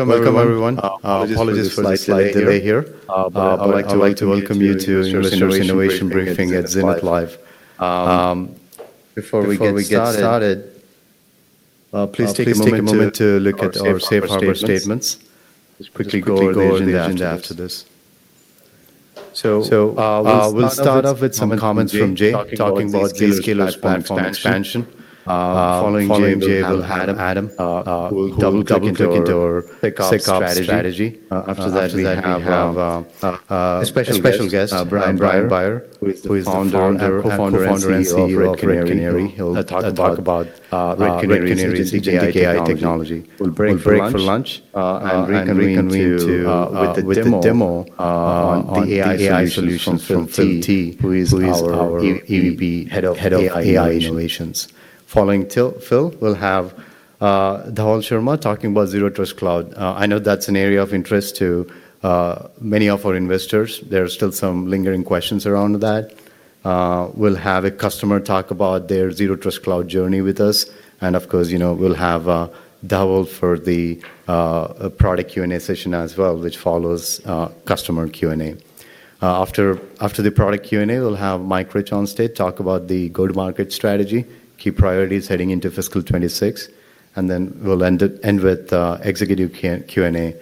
Welcome, everyone. Apologies for the delay here. I'd like to welcome you to the Innovation Briefing at Zenith Live. Before we get started, please take a moment to look at our Safe Harbor statements. Quickly go over them after this. We'll start off with some comments from Jay, talking about Zscaler's platform expansion. Following Jay, we'll have Adam who will double-click into our SOC strategy. After that, we have a special guest, Brian Beyer, who is the co-founder and CEO of Red Canary. He'll talk about Red Canary's EDR technology. We'll break for lunch and reconvene with a demo on the AI solutions from Phil Tee, who is our EVP Head of AI Innovations. Following Phil, we'll have Dhawal Sharma talking about Zero Trust Cloud. I know that's an area of interest to many of our investors. There are still some lingering questions around that. We'll have a customer talk about their Zero Trust Cloud journey with us. Of course, we'll have Dhawal for the product Q&A session as well, which follows customer Q&A. After the product Q&A, we'll have Mike Rich on stage talk about the go-to-market strategy, key priorities heading into fiscal 2026. Then we'll end with executive Q&A.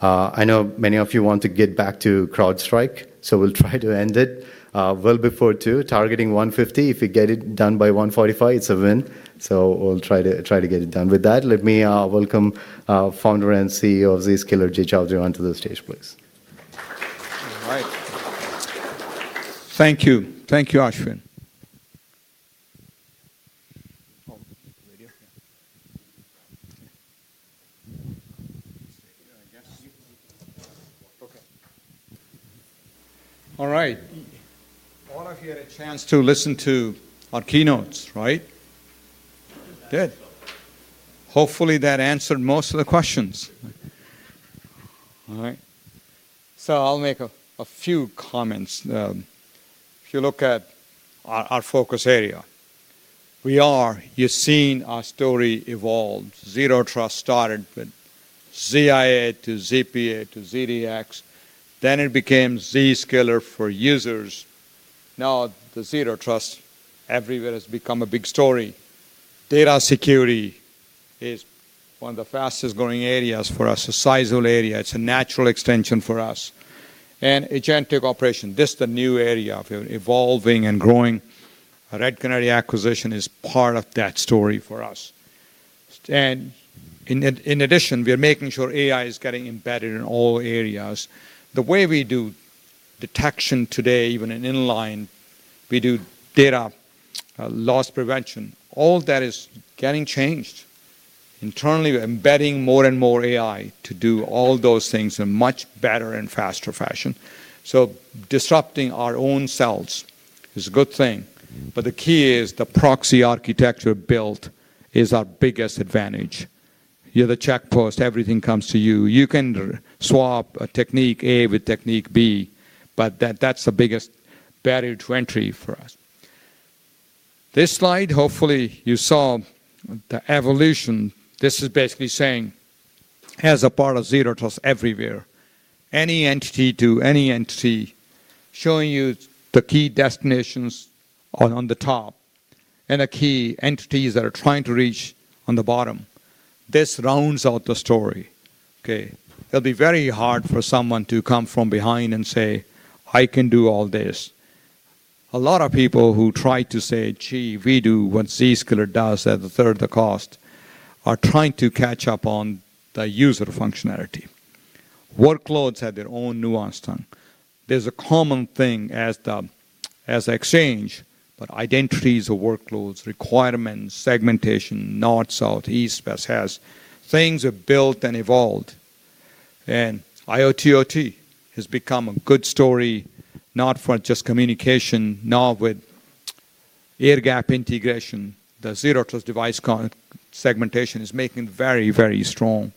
I know many of you want to get back to CrowdStrike, so we'll try to end it well before two, targeting 1:50. If we get it done by 1:45, it's a win. We'll try to get it done with that. Let me welcome Founder and CEO of Zscaler, Jay Chaudhry, onto the stage, please. All right. Thank you. Thank you, Ashwin. All right. All of you had a chance to listen to our keynotes, right? Did? Hopefully, that answered most of the questions. All right. I'll make a few comments. If you look at our focus area, we are, you've seen our story evolve. Zero Trust started with ZIA to ZPA to ZDX. Then it became Zscaler for Users. Zero Trust Everywhere has become a big story. Data security is one of the fastest growing areas for us, a sizable area. It's a natural extension for us. And Agentic Operation, this is the new area of evolving and growing. Red Canary acquisition is part of that story for us. In addition, we are making sure AI is getting embedded in all areas. The way we do detection today, even in inline, we do data loss prevention. All that is getting changed. Internally, we're embedding more and more AI to do all those things in a much better and faster fashion. Disrupting our own cells is a good thing. The key is the proxy architecture built is our biggest advantage. You're the checkpost. Everything comes to you. You can swap technique A with technique B, but that's the biggest barrier to entry for us. This slide, hopefully, you saw the evolution. This is basically saying, as a Zero Trust Everywhere, any entity to any entity, showing you the key destinations on the top and the key entities that are trying to reach on the bottom. This rounds out the story. It'll be very hard for someone to come from behind and say, "I can do all this." A lot of people who try to say, "Gee, we do what Zscaler does at a third of the cost," are trying to catch up on the user functionality. Workloads have their own nuanced tongue. There's a common thing as an exchange, but identities of workloads, requirements, segmentation, north, south, east, west has. Things are built and evolved. IoT has become a good story, not for just communication, now with AirGap integration. The Zero Trust device segmentation is making it very, very strong.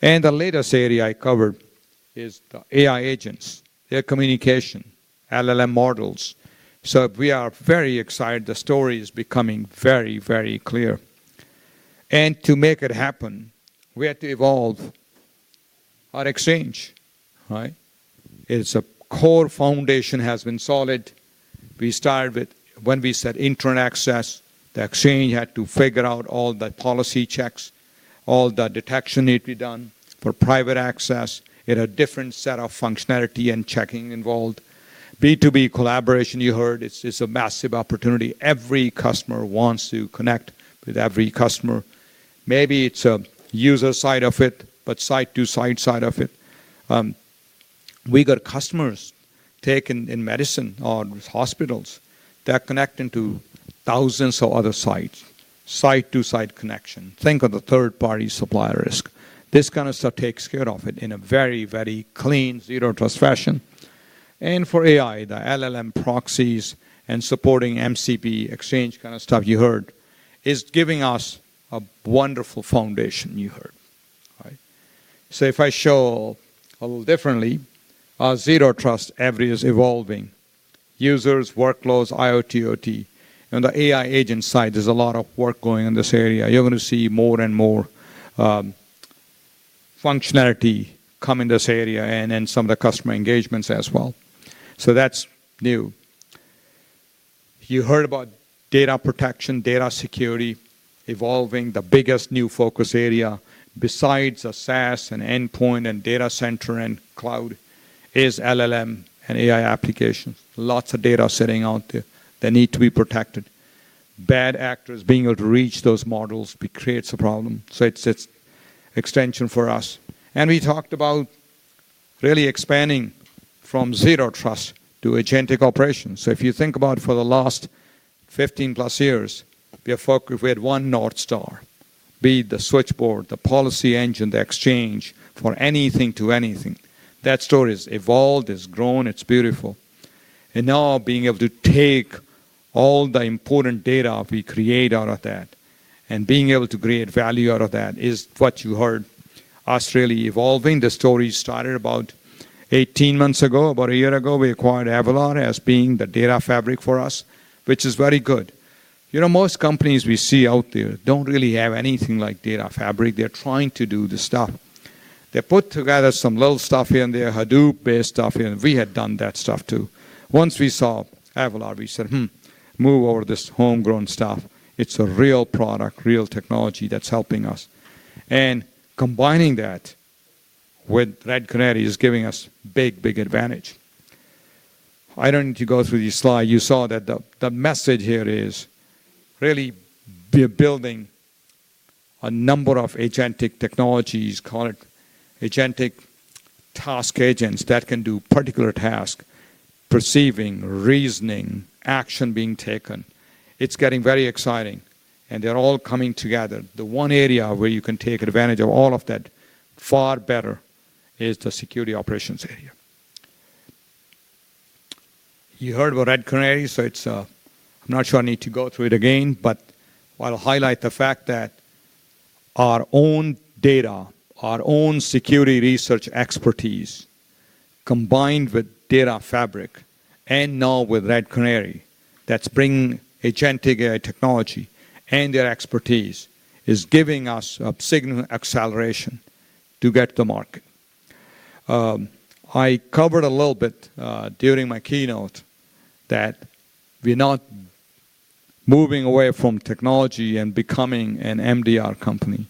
The latest area I covered is the AI agents, their communication, LLM models. We are very excited. The story is becoming very, very clear. To make it happen, we had to evolve our exchange. Its core foundation has been solid. We started with when we said internal access. The exchange had to figure out all the policy checks, all the detection need to be done for private access. It had a different set of functionality and checking involved. B2B collaboration, you heard, is a massive opportunity. Every customer wants to connect with every customer. Maybe it's a user side of it, but site to site side of it. We got customers taken in medicine or hospitals that connect into thousands of other sites, site to site connection. Think of the third-party supplier risk. This kind of stuff takes care of it in a very, very clean Zero Trust fashion. For AI, the LLM proxies and supporting MCP exchange kind of stuff you heard is giving us a wonderful foundation you heard. If I show a little differently, our Zero Trust every is evolving. Users, workloads, IoT, OT. On the AI agent side, there's a lot of work going in this area. You're going to see more and more functionality come in this area and some of the customer engagements as well. That's new. You heard about data protection, data security evolving. The biggest new focus area besides SaaS and endpoint and data center and cloud is LLM and AI applications. Lots of data sitting out there that need to be protected. Bad actors being able to reach those models creates a problem. It is an extension for us. We talked about really expanding from Zero Trust to Agentic Operations. If you think about for the last 15+ years, we had one North Star, be it the switchboard, the policy engine, the exchange for anything to anything. That story has evolved, has grown, it is beautiful. Now being able to take all the important data we create out of that and being able to create value out of that is what you heard us really evolving. The story started about 18 months ago, about a year ago. We acquired Avalor as being the data fabric for us, which is very good. Most companies we see out there do not really have anything like data fabric. They are trying to do the stuff. They put together some little stuff in their Hadoop-based stuff. We had done that stuff too. Once we saw Avalor, we said, move over this homegrown stuff. It is a real product, real technology that is helping us. Combining that with Red Canary is giving us a big, big advantage. I do not need to go through this slide. You saw that the message here is really building a number of agentic technologies, agentic task agents that can do particular tasks, perceiving, reasoning, action being taken. It is getting very exciting. They are all coming together. The one area where you can take advantage of all of that far better is the security operations area. You heard about Red Canary, so I'm not sure I need to go through it again, but I'll highlight the fact that our own data, our own security research expertise combined with Data Fabric and now with Red Canary that's bringing agentic AI technology and their expertise is giving us a signal acceleration to get to the market. I covered a little bit during my keynote that we're not moving away from technology and becoming an MDR company.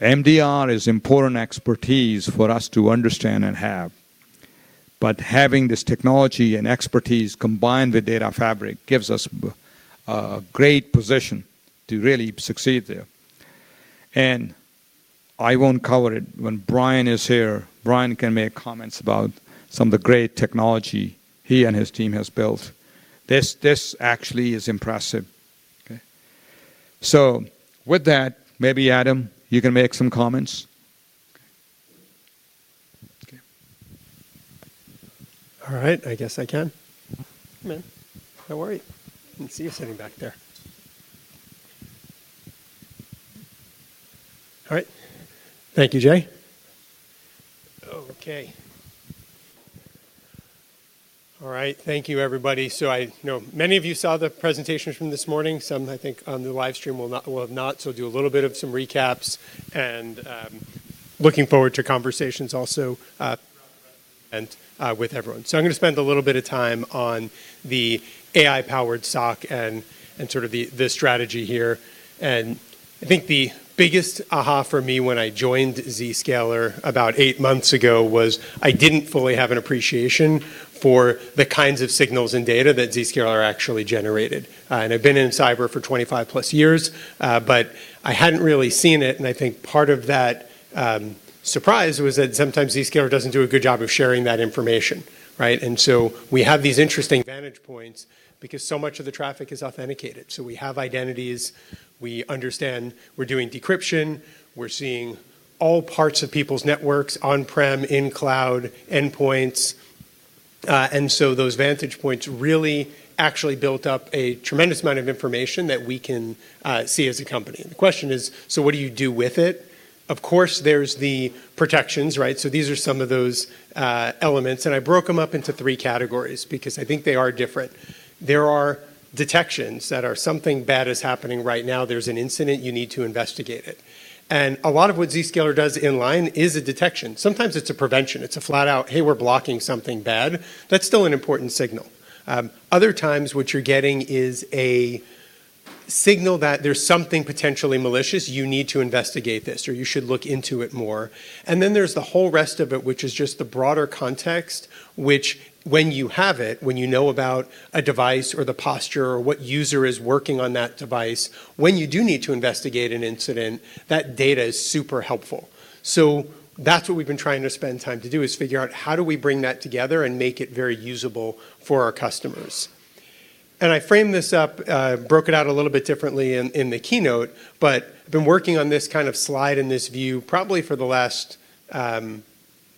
MDR is important expertise for us to understand and have. Having this technology and expertise combined with Data Fabric gives us a great position to really succeed there. I won't cover it. When Brian is here, Brian can make comments about some of the great technology he and his team have built. This actually is impressive. With that, maybe Adam, you can make some comments. All right. I guess I can. Come in. Don't worry. I can see you sitting back there. All right. Thank you, Jay. Okay. All right. Thank you, everybody. I know many of you saw the presentations from this morning. Some, I think, on the live stream will have not. I'll do a little bit of some recaps and looking forward to conversations also with everyone. I'm going to spend a little bit of time on the AI-powered SOC and sort of the strategy here. I think the biggest aha for me when I joined Zscaler about eight months ago was I didn't fully have an appreciation for the kinds of signals and data that Zscaler actually generated. I've been in cyber for 25 plus years, but I hadn't really seen it. I think part of that surprise was that sometimes Zscaler does not do a good job of sharing that information. We have these interesting vantage points because so much of the traffic is authenticated. We have identities. We understand we are doing decryption. We are seeing all parts of people's networks, on-prem, in cloud, endpoints. Those vantage points really actually built up a tremendous amount of information that we can see as a company. The question is, what do you do with it? Of course, there are the protections. These are some of those elements. I broke them up into three categories because I think they are different. There are detections that are something bad is happening right now. There is an incident. You need to investigate it. A lot of what Zscaler does inline is a detection. Sometimes it is a prevention. It's a flat out, "Hey, we're blocking something bad." That's still an important signal. Other times, what you're getting is a signal that there's something potentially malicious. You need to investigate this or you should look into it more. There is the whole rest of it, which is just the broader context, which when you have it, when you know about a device or the posture or what user is working on that device, when you do need to investigate an incident, that data is super helpful. That's what we've been trying to spend time to do is figure out how do we bring that together and make it very usable for our customers. I framed this up, broke it out a little bit differently in the keynote, but I've been working on this kind of slide and this view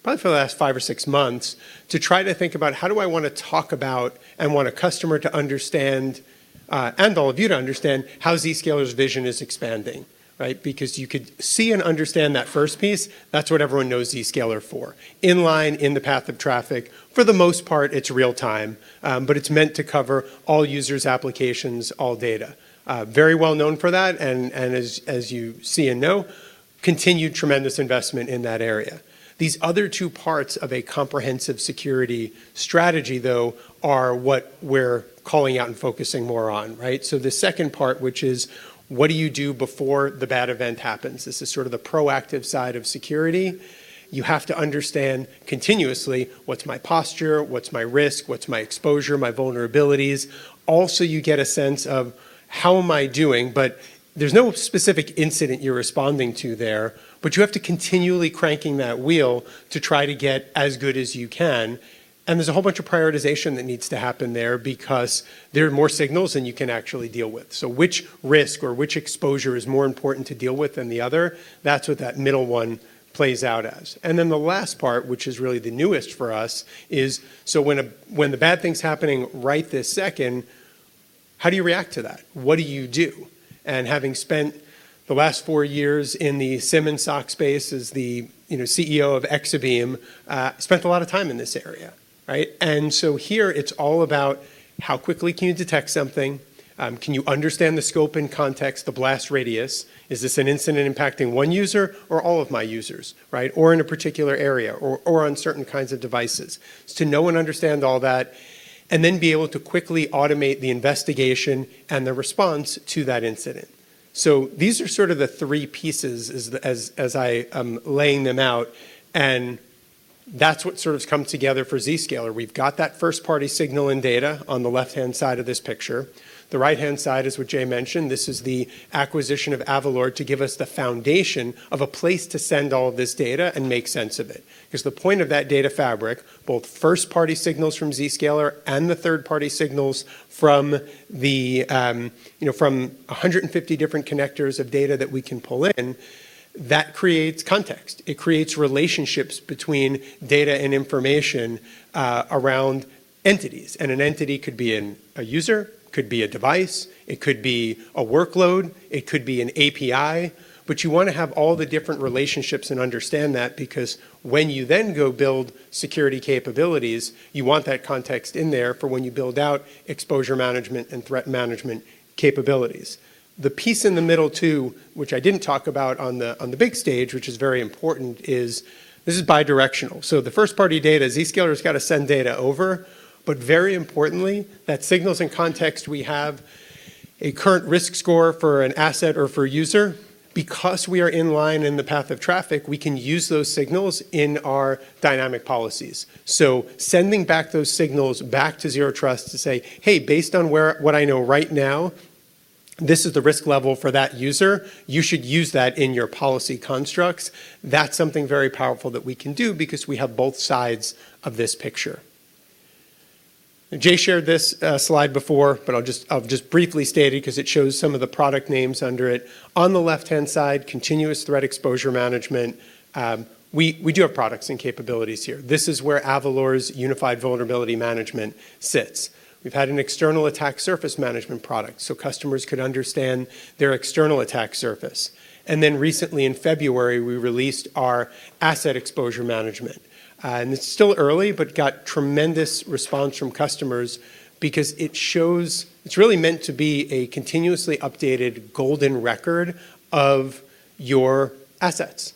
probably for the last five or six months to try to think about how do I want to talk about and want a customer to understand and all of you to understand how Zscaler's vision is expanding. You could see and understand that first piece. That's what everyone knows Zscaler for. Inline, in the path of traffic. For the most part, it's real-time, but it's meant to cover all users' applications, all data. Very well known for that. As you see and know, continued tremendous investment in that area. These other two parts of a comprehensive security strategy, though, are what we're calling out and focusing more on. The second part, which is what do you do before the bad event happens? This is sort of the proactive side of security. You have to understand continuously what's my posture, what's my risk, what's my exposure, my vulnerabilities. Also, you get a sense of how am I doing, but there's no specific incident you're responding to there, but you have to continually crank that wheel to try to get as good as you can. There's a whole bunch of prioritization that needs to happen there because there are more signals than you can actually deal with. Which risk or which exposure is more important to deal with than the other? That's what that middle one plays out as. The last part, which is really the newest for us, is when the bad thing's happening right this second, how do you react to that? What do you do? Having spent the last four years in the Siemens SOC space as the CEO of Exabeam, I spent a lot of time in this area. Here, it's all about how quickly can you detect something? Can you understand the scope and context, the blast radius? Is this an incident impacting one user or all of my users or in a particular area or on certain kinds of devices? To know and understand all that and then be able to quickly automate the investigation and the response to that incident. These are sort of the three pieces as I'm laying them out. That's what sort of comes together for Zscaler. We've got that first-party signal and data on the left-hand side of this picture. The right-hand side is what Jay mentioned. This is the acquisition of Avalor to give us the foundation of a place to send all of this data and make sense of it. Because the point of that data fabric, both first-party signals from Zscaler and the third-party signals from 150 different connectors of data that we can pull in, that creates context. It creates relationships between data and information around entities. An entity could be a user, could be a device, it could be a workload, it could be an API. You want to have all the different relationships and understand that because when you then go build security capabilities, you want that context in there for when you build out exposure management and Threat Management capabilities. The piece in the middle too, which I didn't talk about on the big stage, which is very important, is this is bi-directional. The first-party data, Zscaler's got to send data over, but very importantly, that signals and context, we have a current risk score for an asset or for user. Because we are inline in the path of traffic, we can use those signals in our dynamic policies. Sending back those signals back to Zero Trust to say, "Hey, based on what I know right now, this is the risk level for that user. You should use that in your policy constructs." That's something very powerful that we can do because we have both sides of this picture. Jay shared this slide before, but I'll just briefly state it because it shows some of the product names under it. On the left-hand side, continuous threat exposure management. We do have products and capabilities here. This is where Avalor's Unified Vulnerability Management sits. We've had an External Attack Surface Management product so customers could understand their external attack surface. In February, we released our Asset Exposure Management. It's still early, but got tremendous response from customers because it's really meant to be a continuously updated golden record of your assets.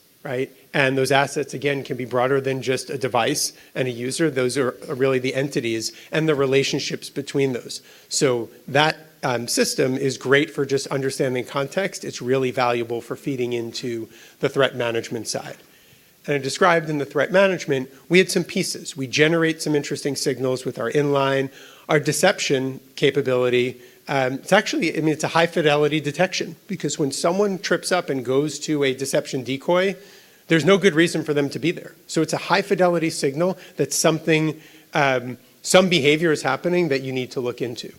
Those assets, again, can be broader than just a device and a user. Those are really the entities and the relationships between those. That system is great for just understanding context. It's really valuable for feeding into the Threat Management side. Described in the Threat Management, we had some pieces. We generate some interesting signals with our inline, our deception capability. I mean, it's a high-fidelity detection because when someone trips up and goes to a Deception Decoy, there's no good reason for them to be there. It is a high-fidelity signal that some behavior is happening that you need to look into.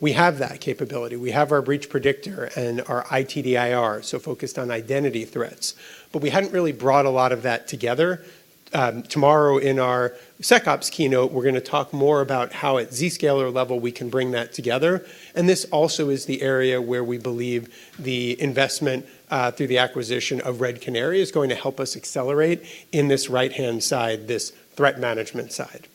We have that capability. We have our Breach Predictor and our ITDR, so focused on identity threats. We had not really brought a lot of that together. Tomorrow in our SecOps keynote, we are going to talk more about how at Zscaler level we can bring that together. This also is the area where we believe the investment through the acquisition of Red Canary is going to help us accelerate in this right-hand side, this Threat Management side.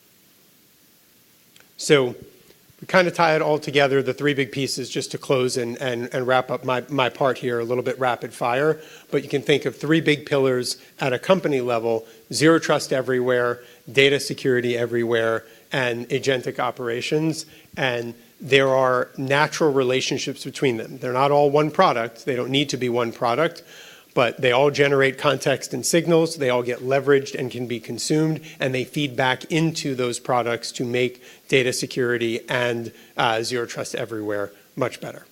We kind of tie it all together, the three big pieces just to close and wrap up my part here a little bit rapid fire. You can think of three big pillars at a company level: Zero Trust Everywhere, Data Security Everywhere, and Agentic Operations. There are natural relationships between them. They're not all one product. They don't need to be one product, but they all generate context and signals. They all get leveraged and can be consumed, and they feed back into those products to make data security and Zero Trust Everywhere much better.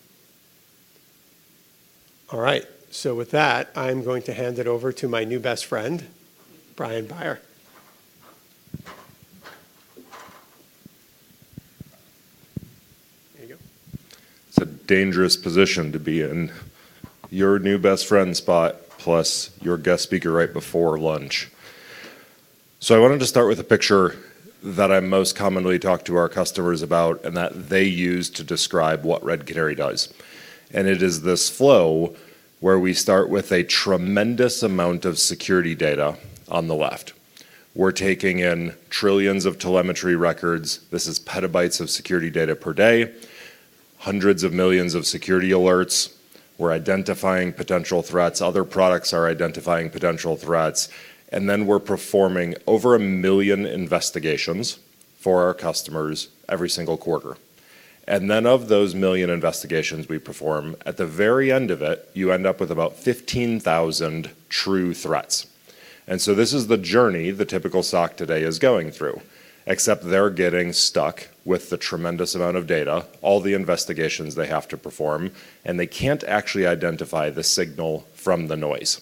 All right. With that, I'm going to hand it over to my new best friend, Brian Beyer. There you go. It's a dangerous position to be in your new best friend spot plus your guest speaker right before lunch. I wanted to start with a picture that I most commonly talk to our customers about and that they use to describe what Red Canary does. It is this flow where we start with a tremendous amount of security data on the left. We're taking in trillions of telemetry records. This is petabytes of security data per day, hundreds of millions of security alerts. We're identifying potential threats. Other products are identifying potential threats. We're performing over a million investigations for our customers every single quarter. Of those million investigations we perform, at the very end of it, you end up with about 15,000 true threats. This is the journey the typical SOC today is going through, except they're getting stuck with the tremendous amount of data, all the investigations they have to perform, and they can't actually identify the signal from the noise.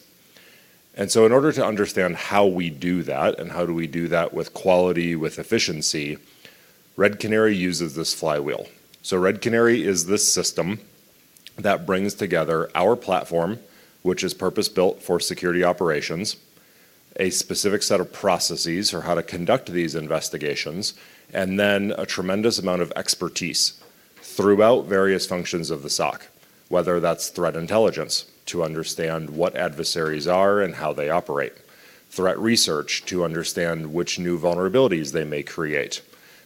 In order to understand how we do that and how do we do that with quality, with efficiency, Red Canary uses this flywheel. Red Canary is this system that brings together our platform, which is purpose-built for security operations, a specific set of processes for how to conduct these investigations, and then a tremendous amount of expertise throughout various functions of the SOC, whether that's Threat Intelligence to understand what adversaries are and how they operate, Threat Research to understand which new vulnerabilities they may create,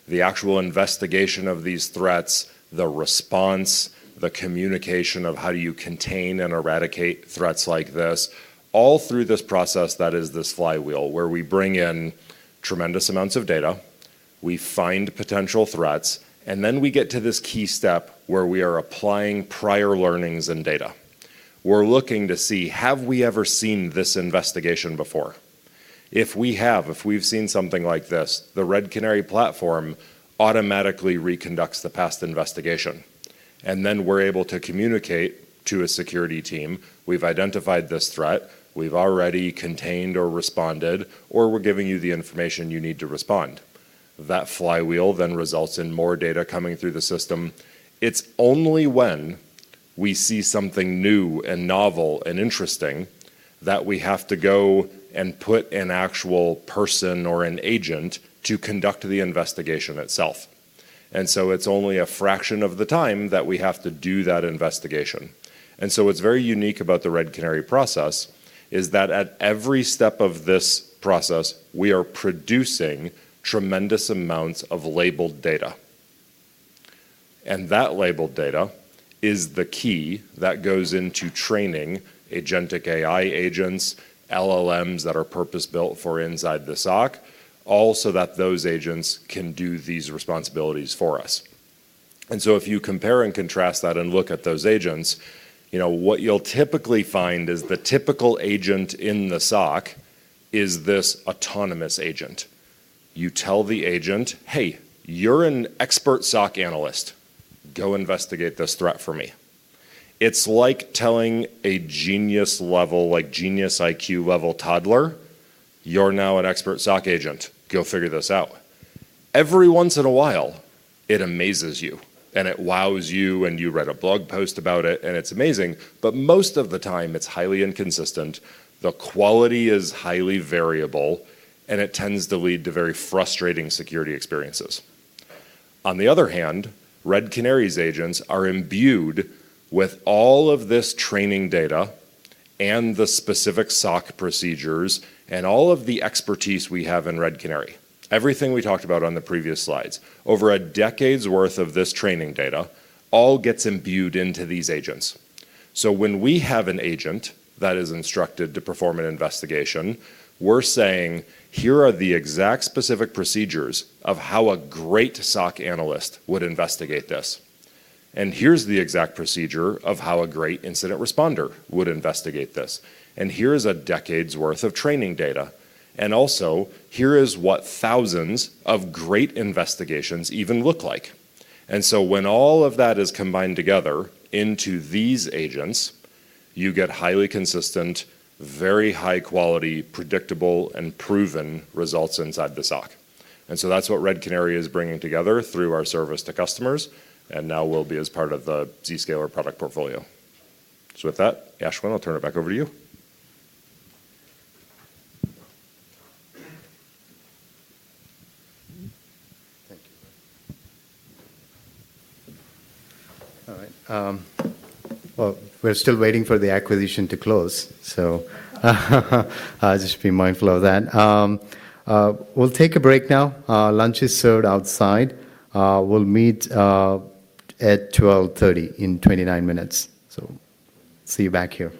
the actual investigation of these threats, the response, the communication of how do you contain and eradicate threats like this, all through this process that is this flywheel where we bring in tremendous amounts of data, we find potential threats, and then we get to this key step where we are applying prior learnings and data. We're looking to see, have we ever seen this investigation before? If we have, if we've seen something like this, the Red Canary platform automatically reconducts the past investigation. We're able to communicate to a security team, "We've identified this threat. We've already contained or responded, or we're giving you the information you need to respond." That flywheel then results in more data coming through the system. It's only when we see something new and novel and interesting that we have to go and put an actual person or an agent to conduct the investigation itself. It's only a fraction of the time that we have to do that investigation. What's very unique about the Red Canary process is that at every step of this process, we are producing tremendous amounts of labeled data. That labeled data is the key that goes into training Agentic AI Agents, LLMs that are purpose-built for inside the SOC, all so that those agents can do these responsibilities for us. If you compare and contrast that and look at those agents, what you'll typically find is the typical agent in the SOC is this autonomous agent. You tell the agent, "Hey, you're an expert SOC Analyst. Go investigate this threat for me." It's like telling a genius-level, like genius IQ-level toddler, "You're now an Expert SOC Agent. Go figure this out." Every once in a while, it amazes you and it wows you and you read a blog post about it and it's amazing, but most of the time it's highly inconsistent. The quality is highly variable and it tends to lead to very frustrating security experiences. On the other hand, Red Canary's agents are imbued with all of this training data and the specific SOC procedures and all of the expertise we have in Red Canary. Everything we talked about on the previous slides, over a decade's worth of this training data all gets imbued into these agents. When we have an agent that is instructed to perform an investigation, we're saying, "Here are the exact specific procedures of how a great SOC Analyst would investigate this. And here's the exact procedure of how a great incident responder would investigate this. And here is a decade's worth of training data. And also, here is what thousands of great investigations even look like." When all of that is combined together into these agents, you get highly consistent, very high-quality, predictable and proven results inside the SOC. That is what Red Canary is bringing together through our service to customers and now will be as part of the Zscaler product portfolio. With that, Ashwin, I'll turn it back over to you. Thank you. All right. We're still waiting for the acquisition to close, so just be mindful of that. We'll take a break now. Lunch is served outside. We'll meet at 12:30 in 29 minutes. See you back here.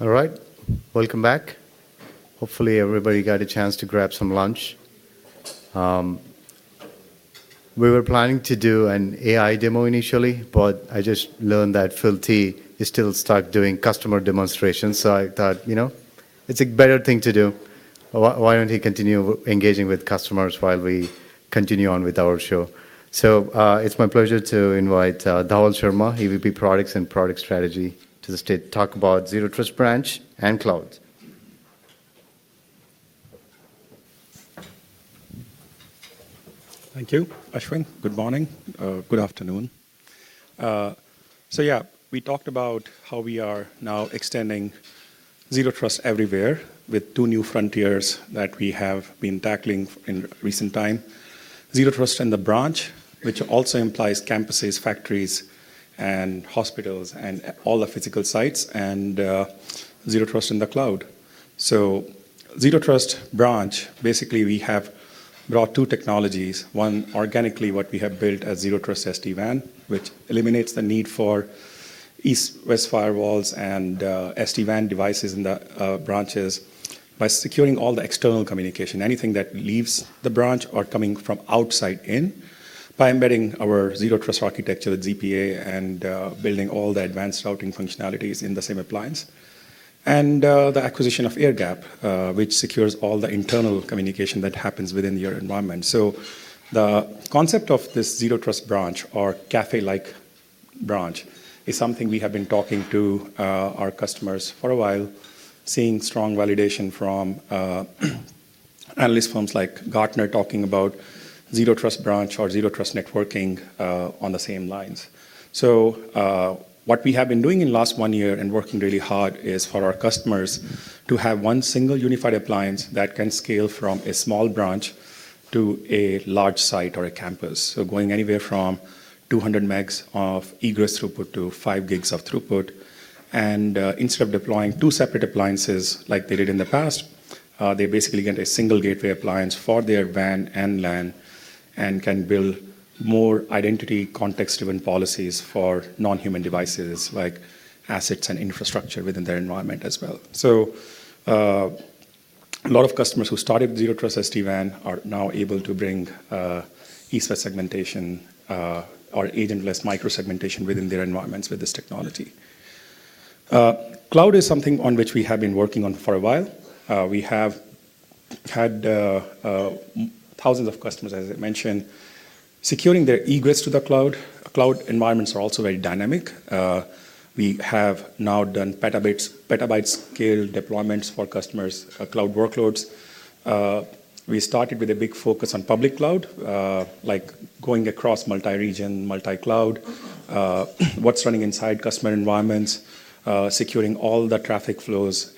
All right, welcome back. Hopefully, everybody got a chance to grab some lunch. We were planning to do an AI demo initially, but I just learned that Phil Tee is still stuck doing customer demonstrations, so I thought, you know, it's a better thing to do. Why not let him continue engaging with customers while we continue on with our show? It's my pleasure to invite Dhawal Sharma, EVP Products and Product Strategy, to the stage to talk about Zero Trust Branch and Cloud. Thank you, Ashwin. Good morning. Good afternoon. Yeah, we talked about how we are now extending Zero Trust Everywhere with two new frontiers that we have been tackling in recent time: Zero Trust in the Branch, which also implies campuses, factories, and hospitals, and all the physical sites, and Zero Trust in the Cloud. Zero Trust Branch, basically, we have brought two technologies. One, organically, what we have built as Zero Trust SD-WAN, which eliminates the need for East-West firewalls and SD-WAN devices in the branches by securing all the external communication, anything that leaves the branch or coming from outside in, by embedding our Zero Trust architecture with ZPA and building all the advanced routing functionalities in the same appliance, and the acquisition of AirGap Networks, which secures all the internal communication that happens within your environment. The concept of this Zero Trust Branch, or Cafe-like Branch, is something we have been talking to our customers about for a while, seeing strong validation from analyst firms like Gartner talking about Zero Trust Branch or Zero Trust Networking on the same lines. What we have been doing in the last one year and working really hard is for our customers to have one single unified appliance that can scale from a small branch to a large site or a campus. Going anywhere from 200 megs of egress throughput to 5 gigs of throughput. Instead of deploying two separate appliances like they did in the past, they basically get a single gateway appliance for their WAN and LAN and can build more identity context-driven policies for non-human devices like assets and infrastructure within their environment as well. A lot of customers who started with Zero Trust SD-WAN are now able to bring East-West segmentation or agentless micro-segmentation within their environments with this technology. Cloud is something on which we have been working on for a while. We have had thousands of customers, as I mentioned, securing their egress to the Cloud. Cloud environments are also very dynamic. We have now done petabytes-scale deployments for customers' cloud workloads. We started with a big focus public cloud, like going across multi-region, multi-Cloud, what is running inside customer environments, securing all the traffic flows.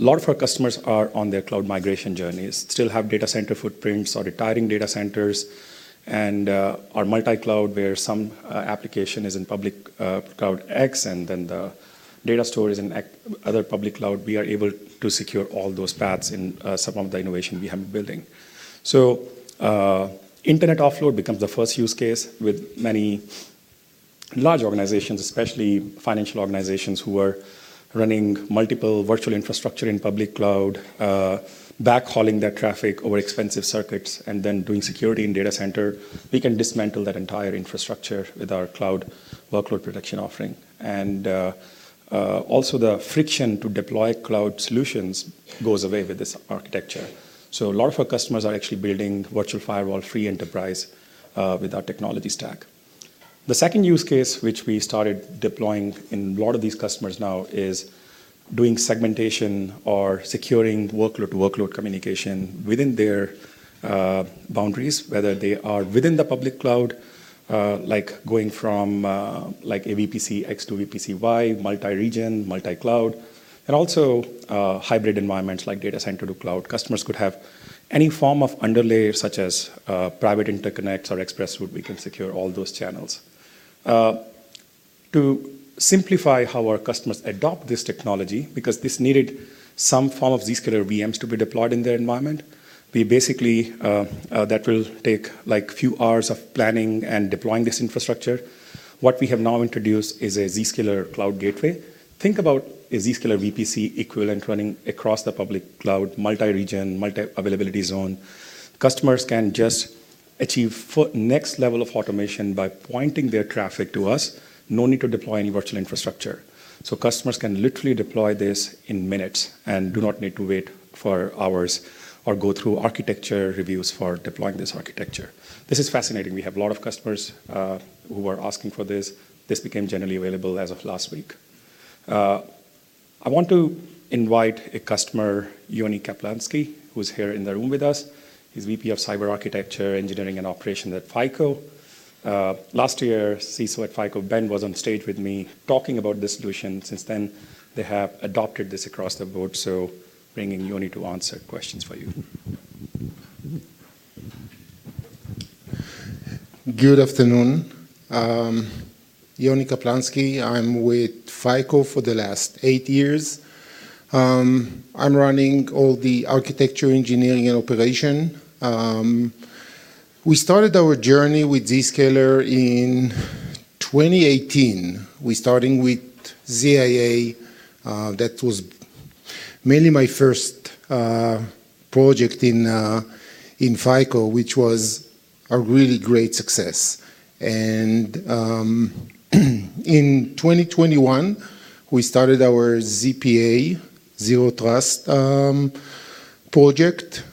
A lot of our customers are on their Cloud migration journeys, still have data center footprints or are retiring data centers, and are multi-Cloud, where some application is public cloud x, and then the data store is in other public cloud. We are able to secure all those paths in some of the innovation we have been building. Internet offload becomes the first use case with many large organizations, especially financial organizations who are running multiple virtual infrastructures public cloud, backhauling their traffic over expensive circuits, and then doing security in data center. We can dismantle that entire infrastructure with our Cloud Workload Protection offering. Also, the friction to deploy cloud solutions goes away with this architecture. A lot of our customers are actually building virtual firewall-free enterprise with our technology stack. The second use case, which we started deploying in a lot of these customers now, is doing segmentation or securing workload-to-workload communication within their boundaries, whether they are within public cloud, like going from a VPC X to VPC Y, multi-region, multi-Cloud, and also hybrid environments like data center to Cloud.Customers could have any form of underlay, such as private interconnects or ExpressRoute. We can secure all those channels. To simplify how our customers adopt this technology, because this needed some form of Zscaler VMs to be deployed in their environment, we basically... That will take a few hours of planning and deploying this infrastructure. What we have now introduced is a Zscaler Cloud Gateway. Think about a Zscaler VPC equivalent running across the public cloud, multi-region, multi-Availability Zone. Customers can just achieve the next level of automation by pointing their traffic to us, no need to deploy any virtual infrastructure. Customers can literally deploy this in minutes and do not need to wait for hours or go through architecture reviews for deploying this architecture. This is fascinating. We have a lot of customers who are asking for this. This became generally available as of last week. I want to invite a customer, Yoni Kaplansky, who's here in the room with us. He's VP of Cyber Architecture, Engineering, and Operations at FICO. Last year, CISO at FICO, Ben, was on stage with me talking about this solution. Since then, they have adopted this across the board. Bringing Yoni to answer questions for you. Good afternoon. Yoni Kaplansky, I'm with FICO for the last eight years. I'm running all the architecture, engineering, and operation. We started our journey with Zscaler in 2018. We started with ZIA. That was mainly my first project in FICO, which was a really great success. In 2021, we started our ZPA, Zero Trust project.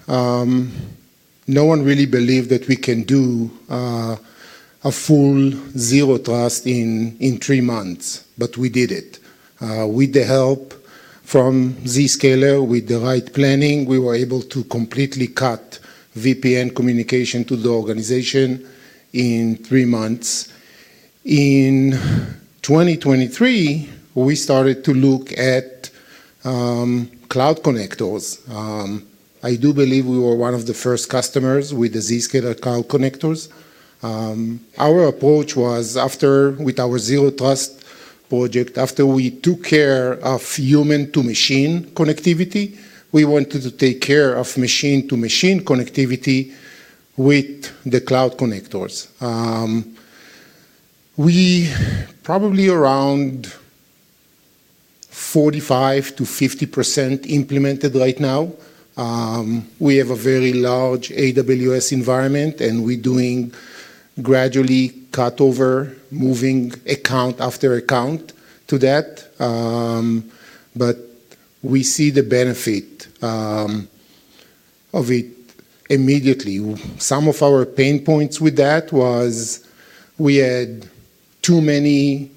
No one really believed that we can do a full Zero Trust in three months, but we did it. With the help from Zscaler, with the right planning, we were able to completely cut VPN communication to the organization in three months. In 2023, we started to look at Cloud Connectors. I do believe we were one of the first customers with the Zscaler Cloud Connectors. Our approach was, after with our Zero Trust project, after we took care of human-to-machine connectivity, we wanted to take care of machine-to-machine connectivity with the Cloud Connectors. We are probably around 45%–50% implemented right now. We have a very large AWS environment, and we're doing gradually cut over, moving account after account to that. We see the benefit of it immediately. Some of our pain points with that was we had too many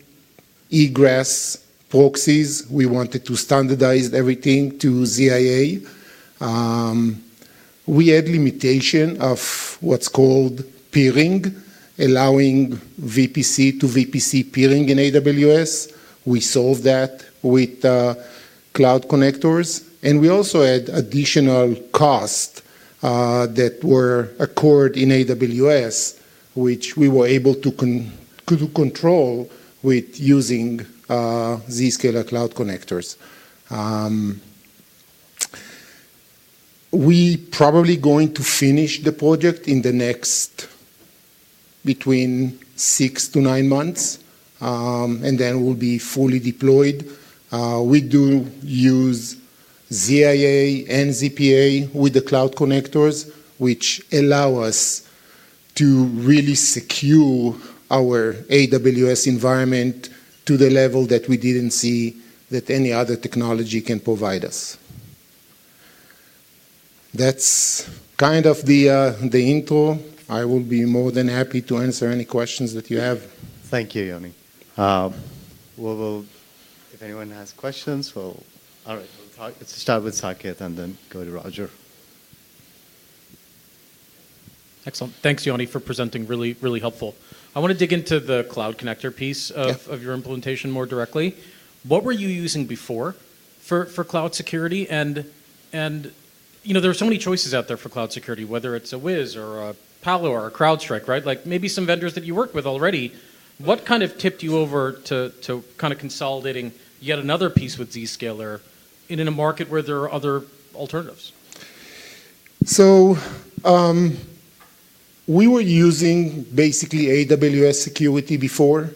egress proxies. We wanted to standardize everything to ZIA. We had limitation of what's called peering, allowing VPC-to-VPC peering in AWS. We solved that with Cloud Connectors. We also had additional costs that were accrued in AWS, which we were able to control with using Zscaler Cloud Connectors. We're probably going to finish the project in the next between six to nine months, and then we'll be fully deployed. We do use ZIA and ZPA with the Cloud Connectors, which allow us to really secure our AWS environment to the level that we didn't see that any other technology can provide us. That's kind of the intro. I will be more than happy to answer any questions that you have. Thank you, Yoni. If anyone has questions, we'll start with Saket and then go to Roger. Excellent. Thanks, Yoni, for presenting. Really, really helpful. I want to dig into the Cloud Connector piece of your implementation more directly. What were you using before for cloud security? There are so many choices out there for cloud security, whether it's a Wiz or a Palo or a CrowdStrike, right? Like maybe some vendors that you work with already. What kind of tipped you over to kind of consolidating yet another piece with Zscaler in a market where there are other alternatives? We were using basically AWS security before.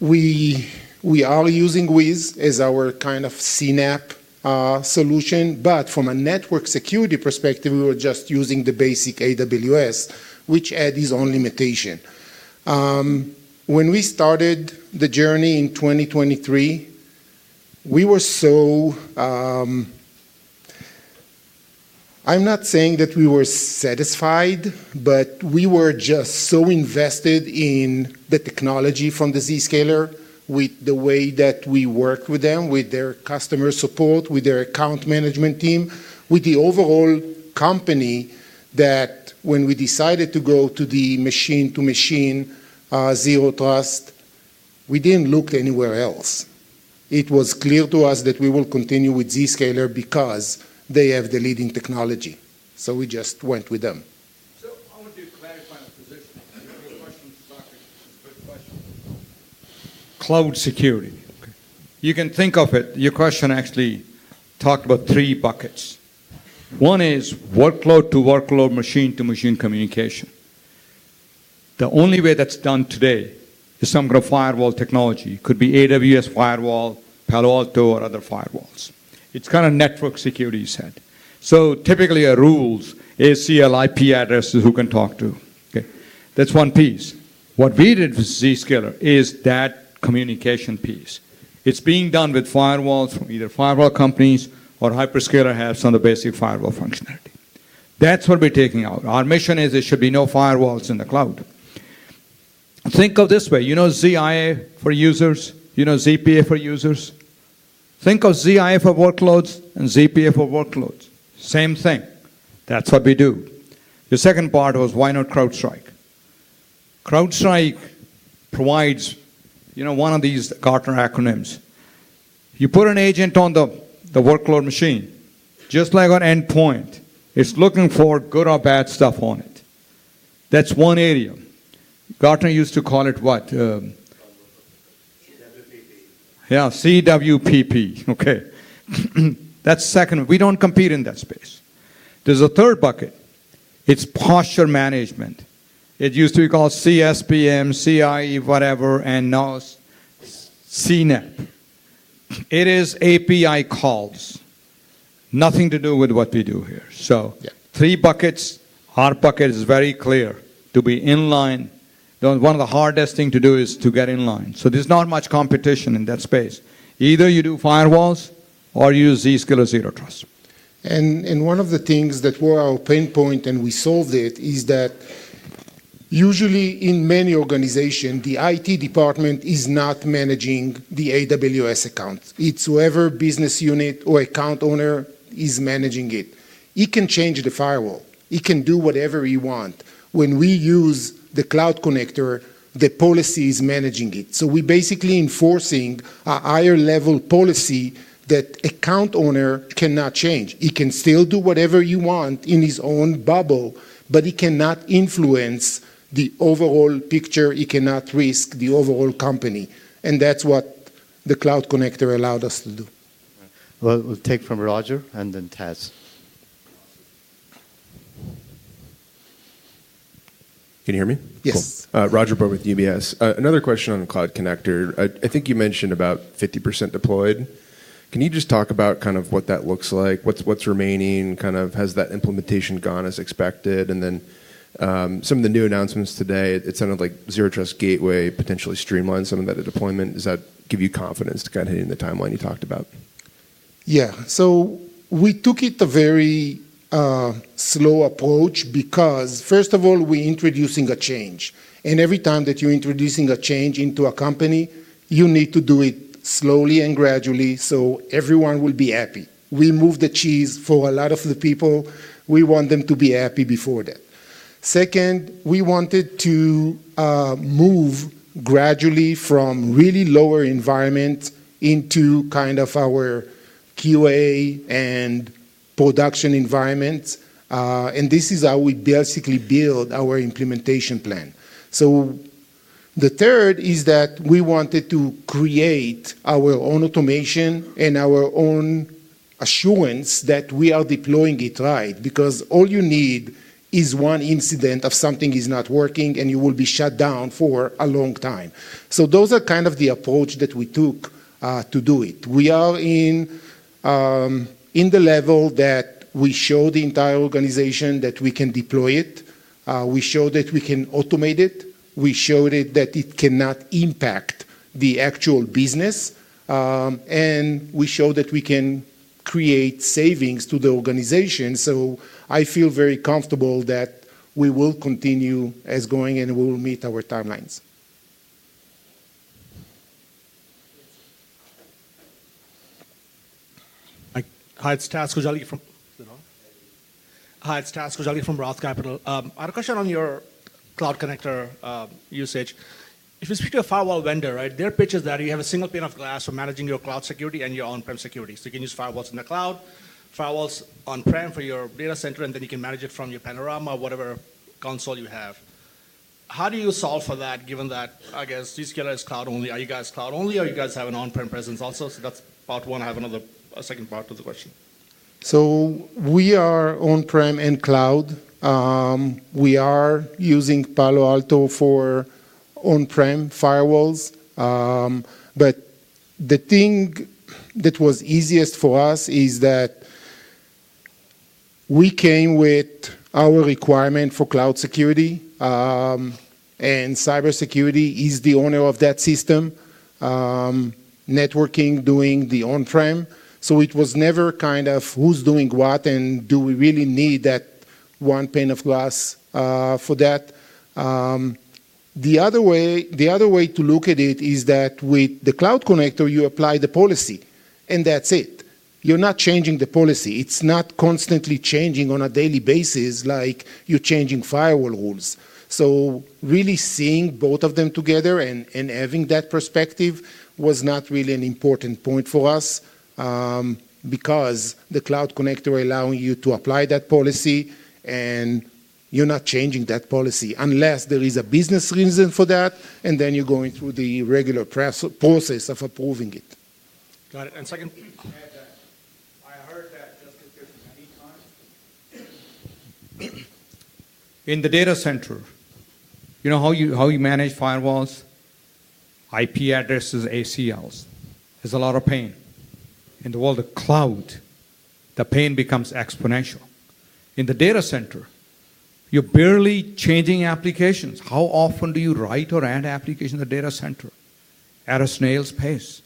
We are using Wiz as our kind of CNAPP solution. From a network security perspective, we were just using the basic AWS, which adds its own limitation. When we started the journey in 2023, we were so... I'm not saying that we were satisfied, but we were just so invested in the technology from Zscaler with the way that we worked with them, with their customer support, with their account management team, with the overall company that when we decided to go to the machine-to-machine Zero Trust, we didn't look anywhere else. It was clear to us that we will continue with Zscaler because they have the leading technology. We just went with them. I want to clarify the position. Your question to Saket is a good question. Cloud security. You can think of it. Your question actually talked about three buckets. One is workload-to-workload, machine-to-machine communication. The only way that's done today is some kind of firewall technology. It could be AWS Firewall, Palo Alto, or other firewalls. It's kind of network security you said. Typically, a rules, ACL, IP addresses, who can talk to. That is one piece. What we did with Zscaler is that communication piece. It is being done with firewalls from either firewall companies or hyperscaler has some of the basic firewall functionality. That is what we are taking out. Our mission is there should be no firewalls in the Cloud. Think of it this way. You know ZIA for users, you know ZPA for users. Think of ZIA for workloads and ZPA for workloads. Same thing. That is what we do. The second part was, why not CrowdStrike? CrowdStrike provides one of these Gartner acronyms. You put an agent on the workload machine, just like our endpoint. It is looking for good or bad stuff on it. That is one area. Gartner used to call it what? CWPP. Yeah, CWPP. Okay. That is second. We do not compete in that space. There is a third bucket. It is posture management. It used to be called CSPM, CI, whatever, and now it's CNAPP. It is API calls. Nothing to do with what we do here. Three buckets. Our bucket is very clear to be in line. One of the hardest things to do is to get in line. There's not much competition in that space. Either you do firewalls or you use Zscaler Zero Trust. One of the things that were our pain point and we solved it is that usually in many organizations, the IT department is not managing the AWS accounts. It's whoever business unit or account owner is managing it. He can change the firewall. He can do whatever he wants. When we use the Cloud connector, the policy is managing it. We're basically enforcing a higher-level policy that account owner cannot change. He can still do whatever he wants in his own bubble, but he cannot influence the overall picture. He cannot risk the overall company. That's what the Cloud Connectors allowed us to do. We'll take from Roger and then Taz. Can you hear me? Yes. Roger Bowe with UBS. Another question on Cloud Connectors. I think you mentioned about 50% deployed. Can you just talk about kind of what that looks like? What's remaining? Kind of has that implementation gone as expected? Some of the new announcements today, it sounded like Zero Trust Gateway potentially streamlined some of that deployment. Does that give you confidence to kind of hitting the timeline you talked about? Yeah. We took a very slow approach because, first of all, we're introducing a change. Every time that you're introducing a change into a company, you need to do it slowly and gradually so everyone will be happy. We move the cheese for a lot of the people. We want them to be happy before that. Second, we wanted to move gradually from really lower environments into kind of our QA and production environments. This is how we basically build our implementation plan. The third is that we wanted to create our own automation and our own assurance that we are deploying it right because all you need is one incident of something not working, and you will be shut down for a long time. Those are kind of the approach that we took to do it. We are in the level that we show the entire organization that we can deploy it. We show that we can automate it. We showed that it cannot impact the actual business. We show that we can create savings to the organization. I feel very comfortable that we will continue as going, and we will meet our timelines. Hi, it's Imtiaz Koujalgi from Roth Capital. I have a question on your Cloud Connector usage. If you speak to a firewall vendor, their pitch is that you have a single pane of glass for managing your cloud security and your on-prem security. You can use firewalls in the cloud, firewalls on-prem for your data center, and then you can manage it from your Panorama or whatever console you have. How do you solve for that given that, I guess, Zscaler is cloud only? Are you guys cloud only? Or do you guys have an on-prem presence also? That is part one. I have another second part of the question. We are on-prem and Cloud. We are using Palo Alto for on-prem firewalls. The thing that was easiest for us is that we came with our requirement for Cloud security. Cybersecurity is the owner of that system, networking, doing the on-prem. It was never kind of who's doing what, and do we really need that one pane of glass for that? The other way to look at it is that with the Cloud Connector, you apply the policy, and that's it. You're not changing the policy. It's not constantly changing on a daily basis like you're changing firewall rules. Really seeing both of them together and having that perspective was not really an important point for us because the Cloud Connector allows you to apply that policy, and you're not changing that policy unless there is a business reason for that, and then you're going through the regular process of approving it. Got it. Second. I heard that just as different any time. In the data center, you know how you manage firewalls, IP addresses, ACLs? There's a lot of pain. In the world of Cloud, the pain becomes exponential. In the data center, you're barely changing applications. How often do you write or add applications in the data center? At a snail's pace.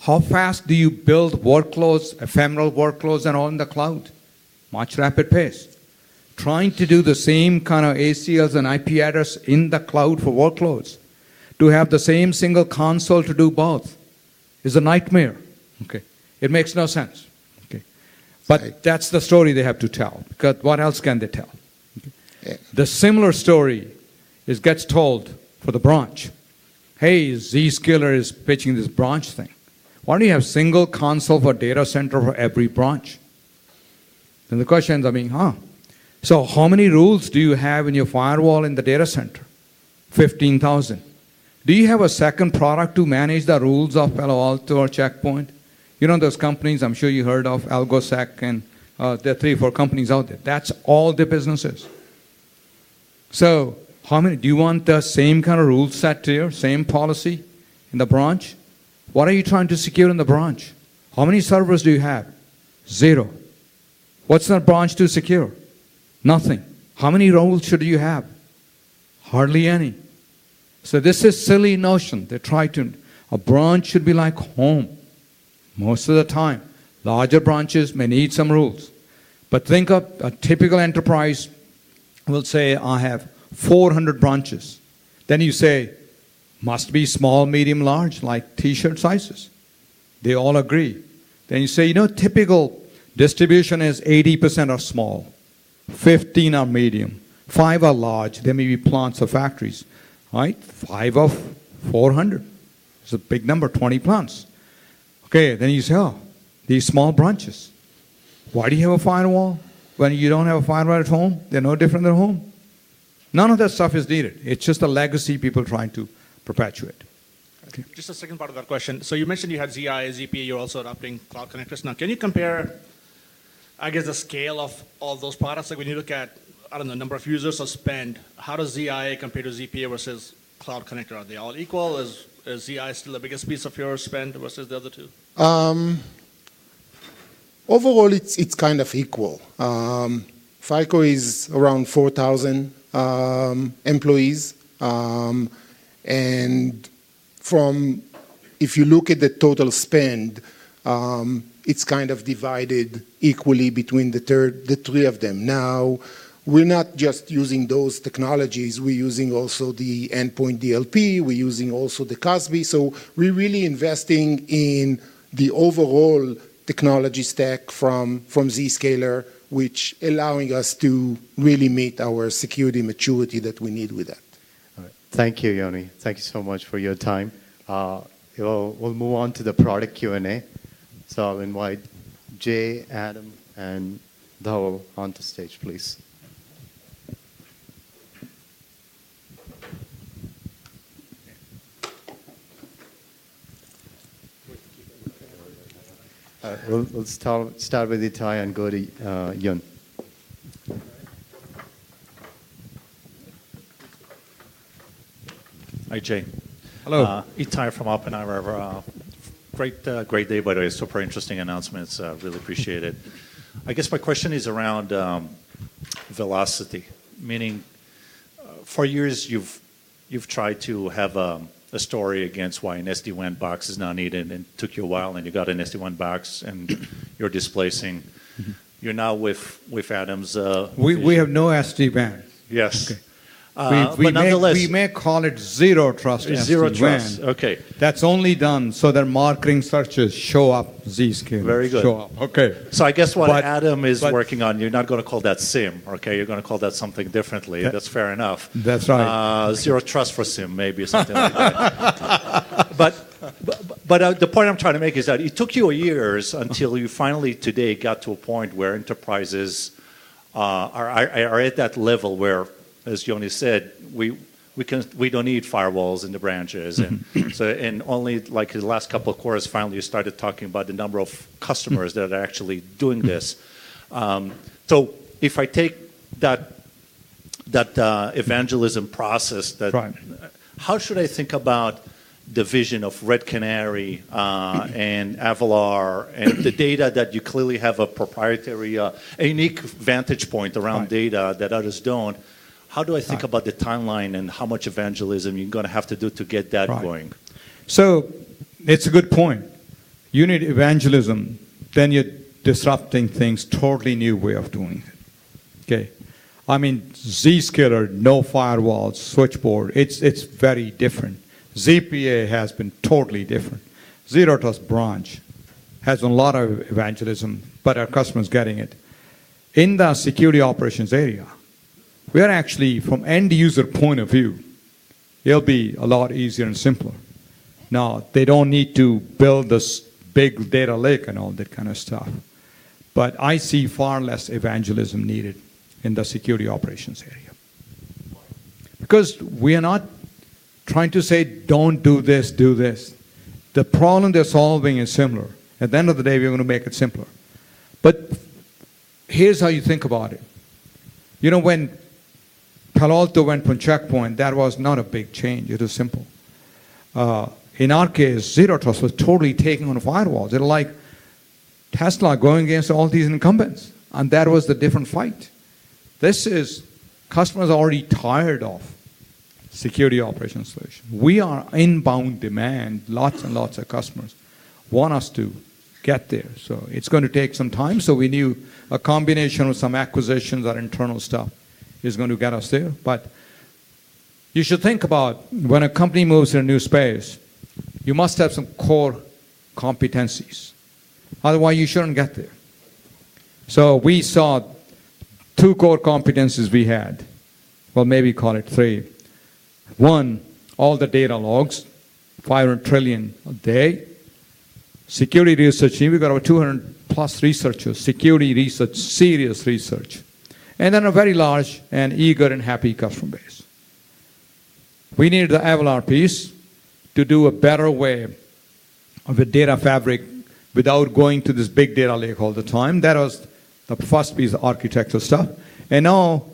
How fast do you build workloads, ephemeral workloads, and all in the Cloud? Much rapid pace. Trying to do the same kind of ACLs and IP address in the Cloud for workloads to have the same single console to do both is a nightmare. It makes no sense. That is the story they have to tell. What else can they tell? The similar story gets told for the branch. Hey, Zscaler is pitching this branch thing. Why do you not have a single console for data center for every branch? The question is, I mean, huh? How many rules do you have in your firewall in the data center? 15,000. Do you have a second product to manage the rules of Palo Alto or Check Point? You know those companies, I am sure you heard of, AlgoSec, and there are three or four companies out there. That is all the businesses. Do you want the same kind of rule set here, same policy in the branch? What are you trying to secure in the branch? How many servers do you have? Zero. What's the branch to secure? Nothing. How many rules should you have? Hardly any. This is a silly notion. They try to say a branch should be like home. Most of the time, larger branches may need some rules. Think of a typical enterprise. We'll say I have 400 branches. You say, must be small, medium, large, like T-shirt sizes. They all agree. You know, typical distribution is 80% are small, 15% are medium, 5% are large. There may be plants or factories, right? 5% of 400. It's a big number, 20 plants. Okay. You say, oh, these small branches. Why do you have a firewall when you don't have a firewall at home? They're no different than home. None of that stuff is needed. It's just a legacy people trying to perpetuate. Just a second part of that question. You mentioned you had ZIA, ZPA. You're also adopting Cloud Connectors. Now, can you compare, I guess, the scale of all those products? When you look at, I don't know, the number of users or spend, how does ZIA compare to ZPA versus Cloud Connectors? Are they all equal? Is ZIA still the biggest piece of your spend versus the other two? Overall, it's kind of equal. FICO is around 4,000 employees. If you look at the total spend, it's kind of divided equally between the three of them. We're not just using those technologies. We're using also the Endpoint DLP. We're using also the CASB. We're really investing in the overall technology stack from Zscaler, which is allowing us to really meet our security maturity that we need with that. Thank you, Yoni. Thank you so much for your time. We'll move on to the product Q&A. I'll invite Jay, Adam, and Dhawal onto the stage, please. We'll start with Ittai and go to Yun. Hi, Jay. Hello. Ittai from Oppenheimer. Great day, by the way. Super interesting announcements. Really appreciate it. I guess my question is around velocity, meaning for years you've tried to have a story against why an SD-WAN box is not needed, and it took you a while, and you got an SD-WAN box, and you're displacing. You're now with Adam's. We have no SD-WAN. Yes. Nonetheless, We may call it Zero Trust. Zero Trust. Okay. That's only done so that marketing searches show up Zscaler. Very good. Show up. Okay. I guess what Adam is working on, you're not going to call that SIEM, okay? You're going to call that something differently. That's fair enough. That's right. Zero Trust for SIEM maybe is something like that. The point I'm trying to make is that it took you years until you finally today got to a point where enterprises are at that level where, as Yoni said, we don't need firewalls in the branches. Only like the last couple of quarters, finally, you started talking about the number of customers that are actually doing this. If I take that evangelism process, how should I think about the vision of Red Canary and Avalor and the data that you clearly have a proprietary, a unique vantage point around data that others don't? How do I think about the timeline and how much evangelism you're going to have to do to get that going? It's a good point. You need evangelism, then you're disrupting things, totally new way of doing it. Okay? I mean, Zscaler, no firewalls, switchboard. It's very different. ZPA has been totally different. Zero Trust Branch has a lot of evangelism, but our customer is getting it. In the security operations area, we're actually, from end user point of view, it'll be a lot easier and simpler. Now, they don't need to build this big data lake and all that kind of stuff. I see far less evangelism needed in the security operations area. Because we are not trying to say, don't do this, do this. The problem they're solving is similar. At the end of the day, we're going to make it simpler. Here's how you think about it. You know, when Palo Alto went from Check Point, that was not a big change. It was simple. In our case, Zero Trust was totally taking on firewalls. It's like Tesla going against all these incumbents. That was the different fight. Customers are already tired of security operations solutions. We are inbound demand. Lots and lots of customers want us to get there. It's going to take some time. We knew a combination of some acquisitions or internal stuff is going to get us there. You should think about when a company moves in a new space, you must have some core competencies. Otherwise, you shouldn't get there. We saw two core competencies we had. Well, maybe call it three. One, all the data logs, 500 trillion a day. Security research team, we've got over 200 plus researchers, security research, serious research. A very large and eager and happy customer base. We needed the Avalor piece to do a better way of a data fabric without going to this big data lake all the time. That was the first piece of architectural stuff. Now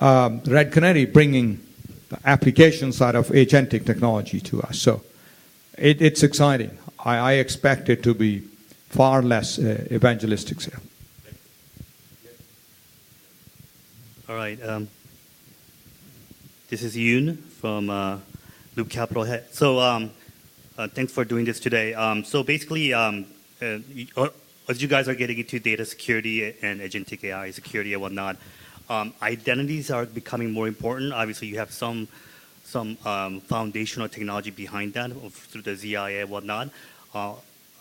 Red Canary bringing the application side of agentic technology to us. It is exciting. I expect it to be far less evangelistic here. All right. This is Yun from Loop Capital. Thanks for doing this today. Basically, as you guys are getting into data security and agentic AI security and whatnot, identities are becoming more important. Obviously, you have some foundational technology behind that through the ZIA and whatnot.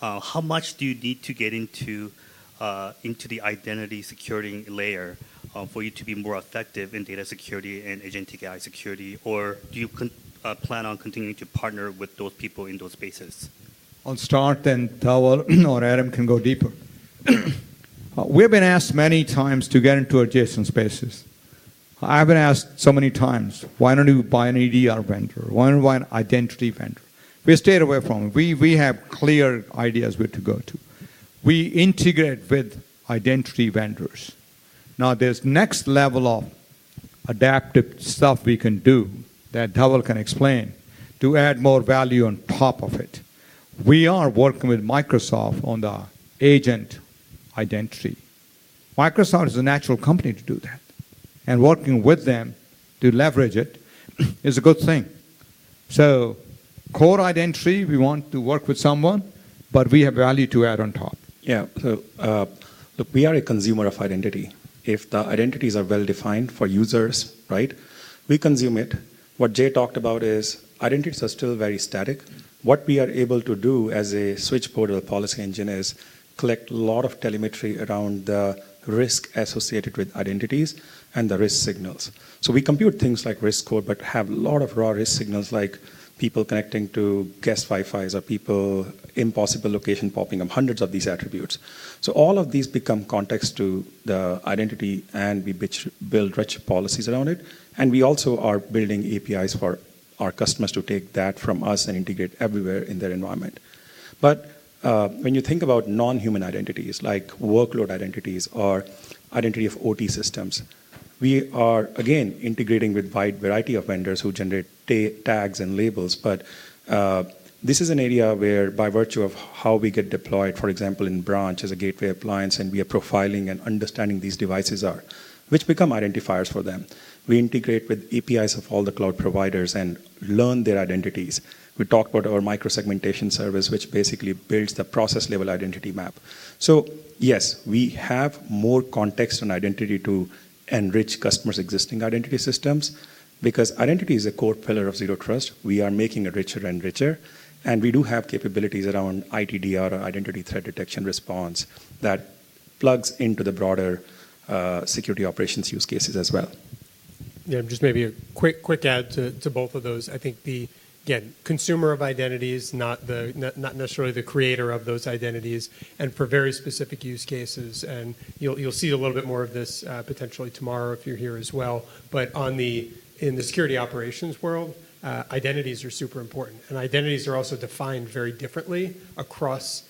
How much do you need to get into the identity security layer for you to be more effective in data security and agentic AI security? Or do you plan on continuing to partner with those people in those spaces? I'll start, then Dhawal or Adam can go deeper. We've been asked many times to get into adjacent spaces. I've been asked so many times, why don't you buy an EDR vendor? Why don't you buy an identity vendor? We stayed away from it. We have clear ideas where to go to. We integrate with identity vendors. Now, there's next level of adaptive stuff we can do that Dhawal can explain to add more value on top of it. We are working with Microsoft on the agent identity. Microsoft is a natural company to do that. Working with them to leverage it is a good thing. Core identity, we want to work with someone, but we have value to add on top. Yeah. Look, we are a consumer of identity. If the identities are well defined for users, right, we consume it. What Jay talked about is identities are still very static. What we are able to do as a switchboard or policy engine is collect a lot of telemetry around the risk associated with identities and the risk signals. We compute things like risk score, but have a lot of raw risk signals like people connecting to guest Wi-Fi or people, impossible location popping up, hundreds of these attributes. All of these become context to the identity, and we build rich policies around it. We also are building APIs for our customers to take that from us and integrate everywhere in their environment. When you think about non-human identities, like workload identities or identity of OT systems, we are, again, integrating with a wide variety of vendors who generate tags and labels. This is an area where, by virtue of how we get deployed, for example, in branch as a gateway appliance, we are profiling and understanding what these devices are, which become identifiers for them. We integrate with APIs of all the cloud providers and learn their identities. We talked about our micro-segmentation service, which basically builds the process-level identity map. Yes, we have more context and identity to enrich customers' existing identity systems because identity is a core pillar of Zero Trust. We are making it richer and richer. We do have capabilities around ITDR, identity threat detection response, that plugs into the broader security operations use cases as well. Yeah. Just maybe a quick add to both of those. I think, again, consumer of identities, not necessarily the creator of those identities, and for very specific use cases. You'll see a little bit more of this potentially tomorrow if you're here as well. In the security operations world, identities are super important. Identities are also defined very differently across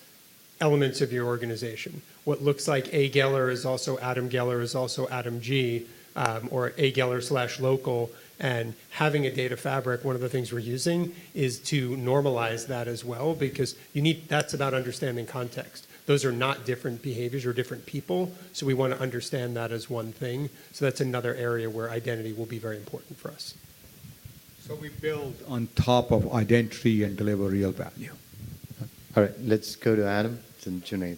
elements of your organization. What looks like A Geller is also Adam Geller is also Adam G or A Geller slash local. Having a data fabric, one of the things we're using is to normalize that as well because that's about understanding context. Those are not different behaviors or different people. We want to understand that as one thing. That's another area where identity will be very important for us. We build on top of identity and deliver real value. All right. Let's go to Adam and Junaid.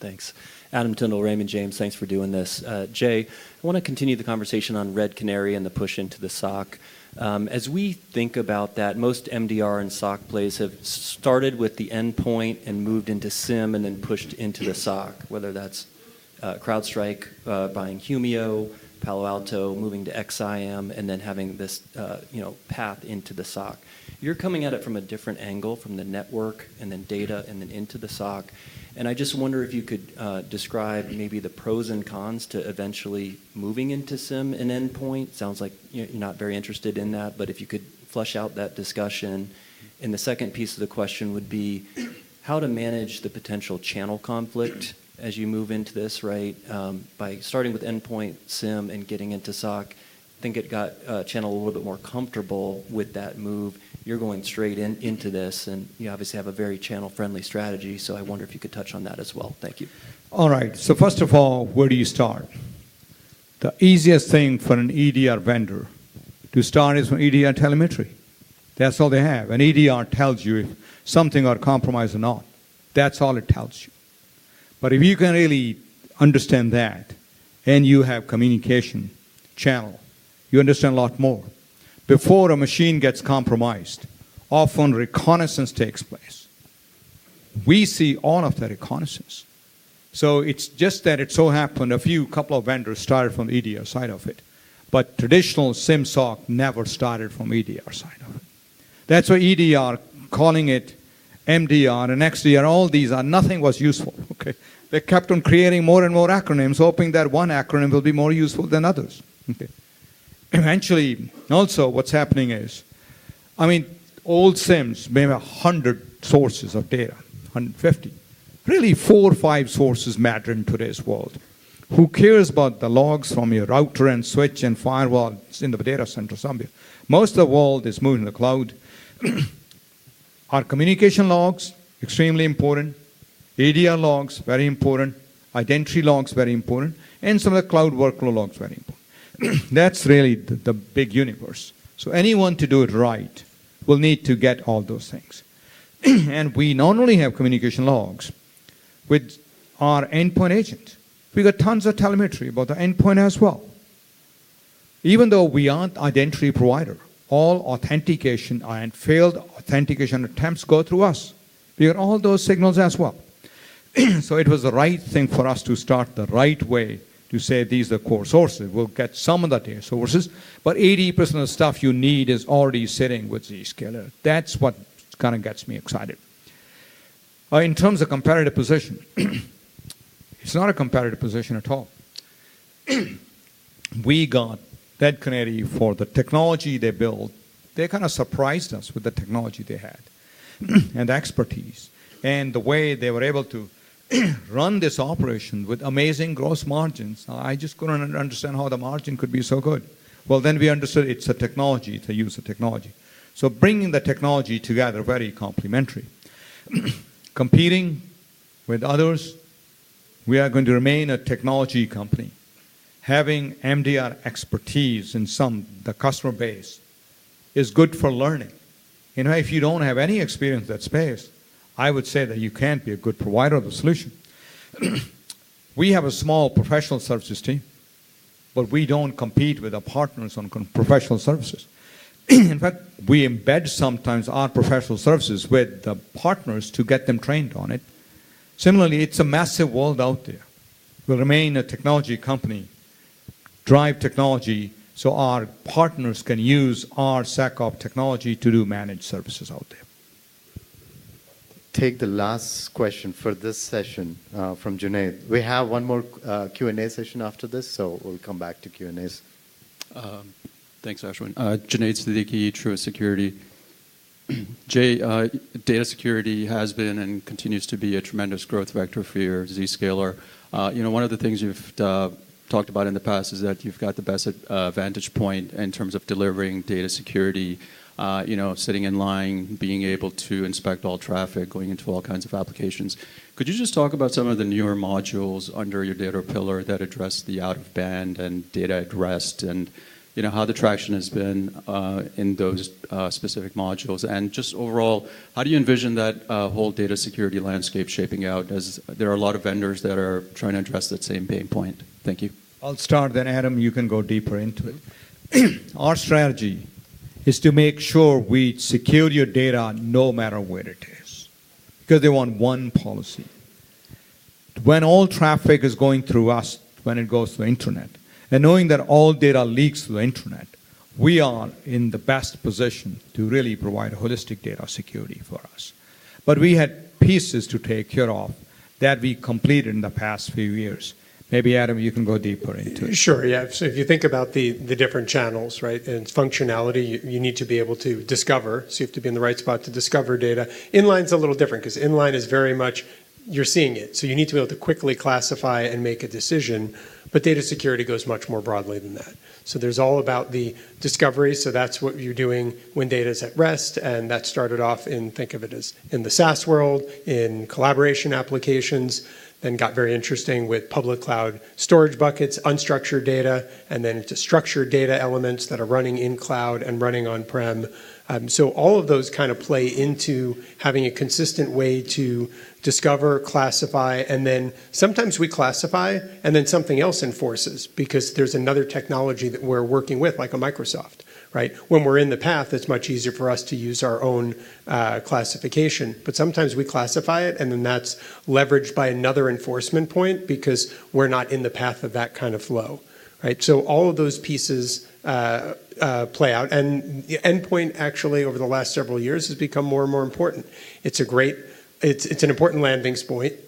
Thanks. Adam Tindle, Raymond James, thanks for doing this. Jay, I want to continue the conversation on Red Canary and the push into the SOC. As we think about that, most MDR and SOC plays have started with the endpoint and moved into SIEM and then pushed into the SOC, whether that's CrowdStrike buying Humio, Palo Alto, moving to XSIAM, and then having this path into the SOC. You're coming at it from a different angle, from the network and then data and then into the SOC. I just wonder if you could describe maybe the pros and cons to eventually moving into SIEM and endpoint. Sounds like you're not very interested in that, but if you could flesh out that discussion. The second piece of the question would be how to manage the potential channel conflict as you move into this, right? By starting with endpoint SIEM and getting into SOC, I think it got channel a little bit more comfortable with that move. You are going straight into this, and you obviously have a very channel-friendly strategy. I wonder if you could touch on that as well. Thank you. All right. First of all, where do you start? The easiest thing for an EDR vendor to start is from EDR telemetry. That is all they have. An EDR tells you if something got compromised or not. That is all it tells you. If you can really understand that and you have communication channel, you understand a lot more. Before a machine gets compromised, often reconnaissance takes place. We see all of the reconnaissance. It's just that it so happened a few, couple of vendors started from the EDR side of it. Traditional SIEM SOC never started from the EDR side of it. That's why EDR, calling it MDR and XDR, all these are, nothing was useful. Okay? They kept on creating more and more acronyms, hoping that one acronym will be more useful than others. Eventually, also what's happening is, I mean, old SIEMs may have 100 sources of data, 150. Really four or five sources matter in today's world. Who cares about the logs from your router and switch and firewall in the data center somewhere? Most of the world is moving to the cloud. Our communication logs, extremely important. EDR logs, very important. Identity logs, very important. And some of the cloud workload logs, very important. That's really the big universe. Anyone to do it right will need to get all those things. We not only have communication logs with our endpoint agent. We've got tons of telemetry about the endpoint as well. Even though we aren't an identity provider, all authentication and failed authentication attempts go through us. We got all those signals as well. It was the right thing for us to start the right way to say these are the core sources. We'll get some of the data sources, but 80% of the stuff you need is already sitting with Zscaler. That's what kind of gets me excited. In terms of comparative position, it's not a comparative position at all. We got Red Canary for the technology they built. They kind of surprised us with the technology they had and the expertise and the way they were able to run this operation with amazing gross margins. I just couldn't understand how the margin could be so good. We understood it's a technology. They use the technology. Bringing the technology together, very complementary. Competing with others, we are going to remain a technology company. Having MDR expertise in some of the customer base is good for learning. If you don't have any experience in that space, I would say that you can't be a good provider of the solution. We have a small professional services team, but we don't compete with our partners on professional services. In fact, we embed sometimes our professional services with the partners to get them trained on it. Similarly, it's a massive world out there. We'll remain a technology company, drive technology so our partners can use our SOC Ops technology to do managed services out there. Take the last question for this session from Junaid. We have one more Q&A session after this, so we'll come back to Q&As. Thanks, Ashwin. Junaid Siddiqui, Truist Security. Jay, data security has been and continues to be a tremendous growth vector for your Zscaler. One of the things you've talked about in the past is that you've got the best vantage point in terms of delivering data security, sitting in line, being able to inspect all traffic, going into all kinds of applications. Could you just talk about some of the newer modules under your data pillar that address the out-of-band and data-at-rest and how the traction has been in those specific modules? Just overall, how do you envision that whole data security landscape shaping out as there are a lot of vendors that are trying to address that same pain point? Thank you. I'll start then. Adam, you can go deeper into it. Our strategy is to make sure we secure your data no matter where it is because they want one policy. When all traffic is going through us, when it goes through the internet, and knowing that all data leaks through the internet, we are in the best position to really provide holistic data security for us. We had pieces to take care of that we completed in the past few years. Maybe Adam, you can go deeper into it. Sure. Yeah. If you think about the different channels, right, and functionality, you need to be able to discover. You have to be in the right spot to discover data. Inline's a little different because inline is very much you're seeing it. You need to be able to quickly classify and make a decision. Data security goes much more broadly than that. There's all about the discovery. That's what you're doing when data is at rest. That started off in, think of it as in the SaaS world, in collaboration applications, then got very interesting with public cloud storage buckets, unstructured data, and then to structured data elements that are running in cloud and running on-prem. All of those kind of play into having a consistent way to discover, classify, and then sometimes we classify and then something else enforces because there's another technology that we're working with, like a Microsoft, right? When we're in the path, it's much easier for us to use our own classification. Sometimes we classify it, and then that's leveraged by another enforcement point because we're not in the path of that kind of flow, right? All of those pieces play out. The endpoint, actually, over the last several years has become more and more important. It's an important landing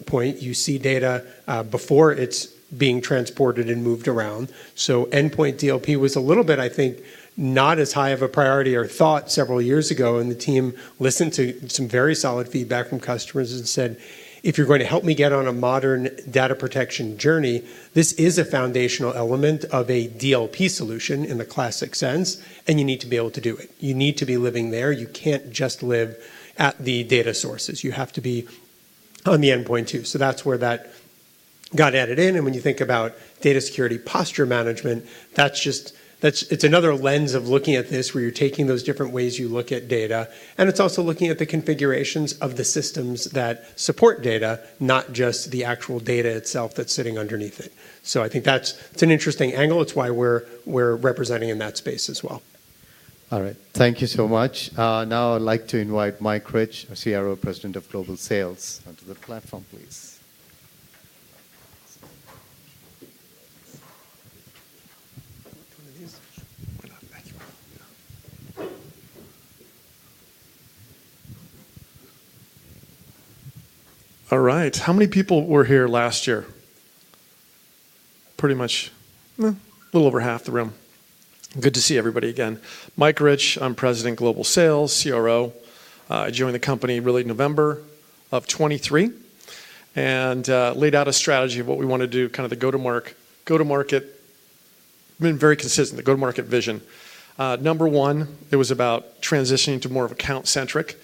point. You see data before it's being transported and moved around. Endpoint DLP was a little bit, I think, not as high of a priority or thought several years ago. The team listened to some very solid feedback from customers and said, "If you're going to help me get on a modern data protection journey, this is a foundational element of a DLP solution in the classic sense, and you need to be able to do it. You need to be living there. You can't just live at the data sources. You have to be on the endpoint too. That's where that got added in. When you think about data security posture management, it's another lens of looking at this where you're taking those different ways you look at data. It's also looking at the configurations of the systems that support data, not just the actual data itself that's sitting underneath it. I think that's an interesting angle. It's why we're representing in that space as well. All right. Thank you so much. Now I'd like to invite Mike Rich, our CRO, President of Global Sales, onto the platform, please. All right. How many people were here last year? Pretty much a little over half the room. Good to see everybody again. Mike Rich, I'm President Global Sales, CRO. I joined the company really November of 2023 and laid out a strategy of what we want to do, kind of the go-to-market. We've been very consistent, the go-to-market vision. Number one, it was about transitioning to more of account-centric.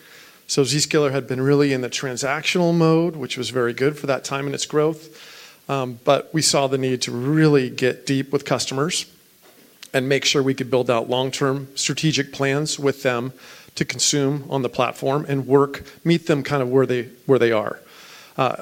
So Zscaler had been really in the transactional mode, which was very good for that time in its growth. But we saw the need to really get deep with customers and make sure we could build out long-term strategic plans with them to consume on the platform and work, meet them kind of where they are.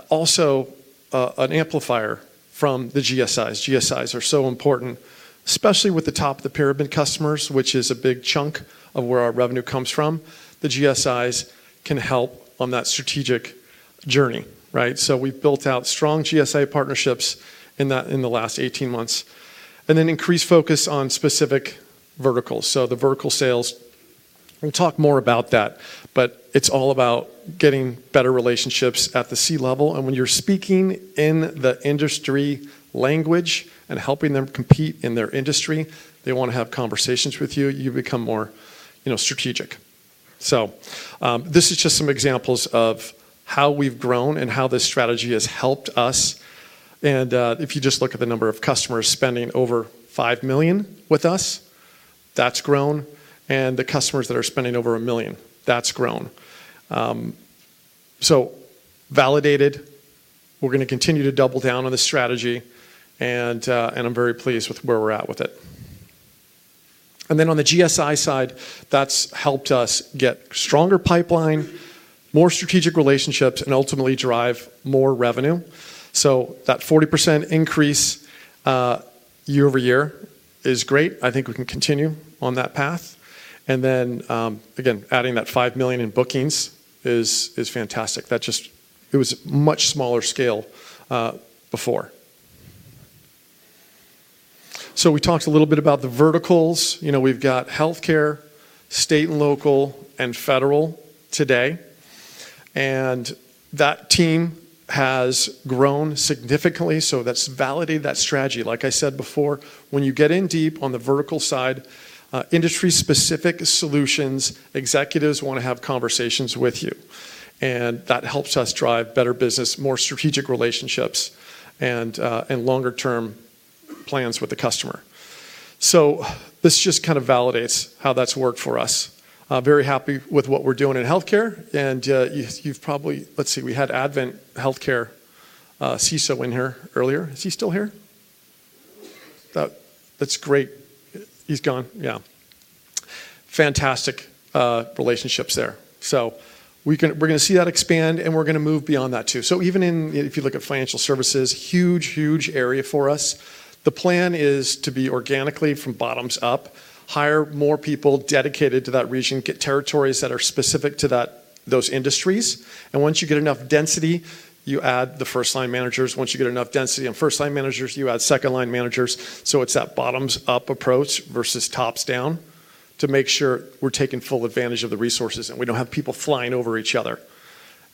Also, an amplifier from the GSIs. GSIs are so important, especially with the top of the pyramid customers, which is a big chunk of where our revenue comes from. The GSIs can help on that strategic journey, right? We've built out strong GSI partnerships in the last 18 months and then increased focus on specific verticals. The vertical sales, we'll talk more about that, but it's all about getting better relationships at the C level. When you're speaking in the industry language and helping them compete in their industry, they want to have conversations with you. You become more strategic. This is just some examples of how we've grown and how this strategy has helped us. If you just look at the number of customers spending over $5 million with us, that's grown. The customers that are spending over $1 million, that's grown. Validated. We're going to continue to double down on the strategy, and I'm very pleased with where we're at with it. On the GSI side, that's helped us get stronger pipeline, more strategic relationships, and ultimately drive more revenue. That 40% increase year over year is great. I think we can continue on that path. Again, adding that $5 million in bookings is fantastic. It was much smaller scale before. We talked a little bit about the verticals. We've got healthcare, State and local, and federal today. That team has grown significantly. That's validated that strategy. Like I said before, when you get in deep on the vertical side, industry-specific solutions, executives want to have conversations with you. That helps us drive better business, more strategic relationships, and longer-term plans with the customer. This just kind of validates how that's worked for us. Very happy with what we're doing in healthcare. You've probably, let's see, we had Advent Healthcare CISO in here earlier. Is he still here? That's great. He's gone. Yeah. Fantastic relationships there. We're going to see that expand, and we're going to move beyond that too. Even if you look at financial services, huge, huge area for us. The plan is to be organically from bottoms up, hire more people dedicated to that region, get territories that are specific to those industries. Once you get enough density, you add the first-line managers. Once you get enough density on first-line managers, you add second-line managers. It's that bottoms-up approach versus tops-down to make sure we're taking full advantage of the resources and we don't have people flying over each other.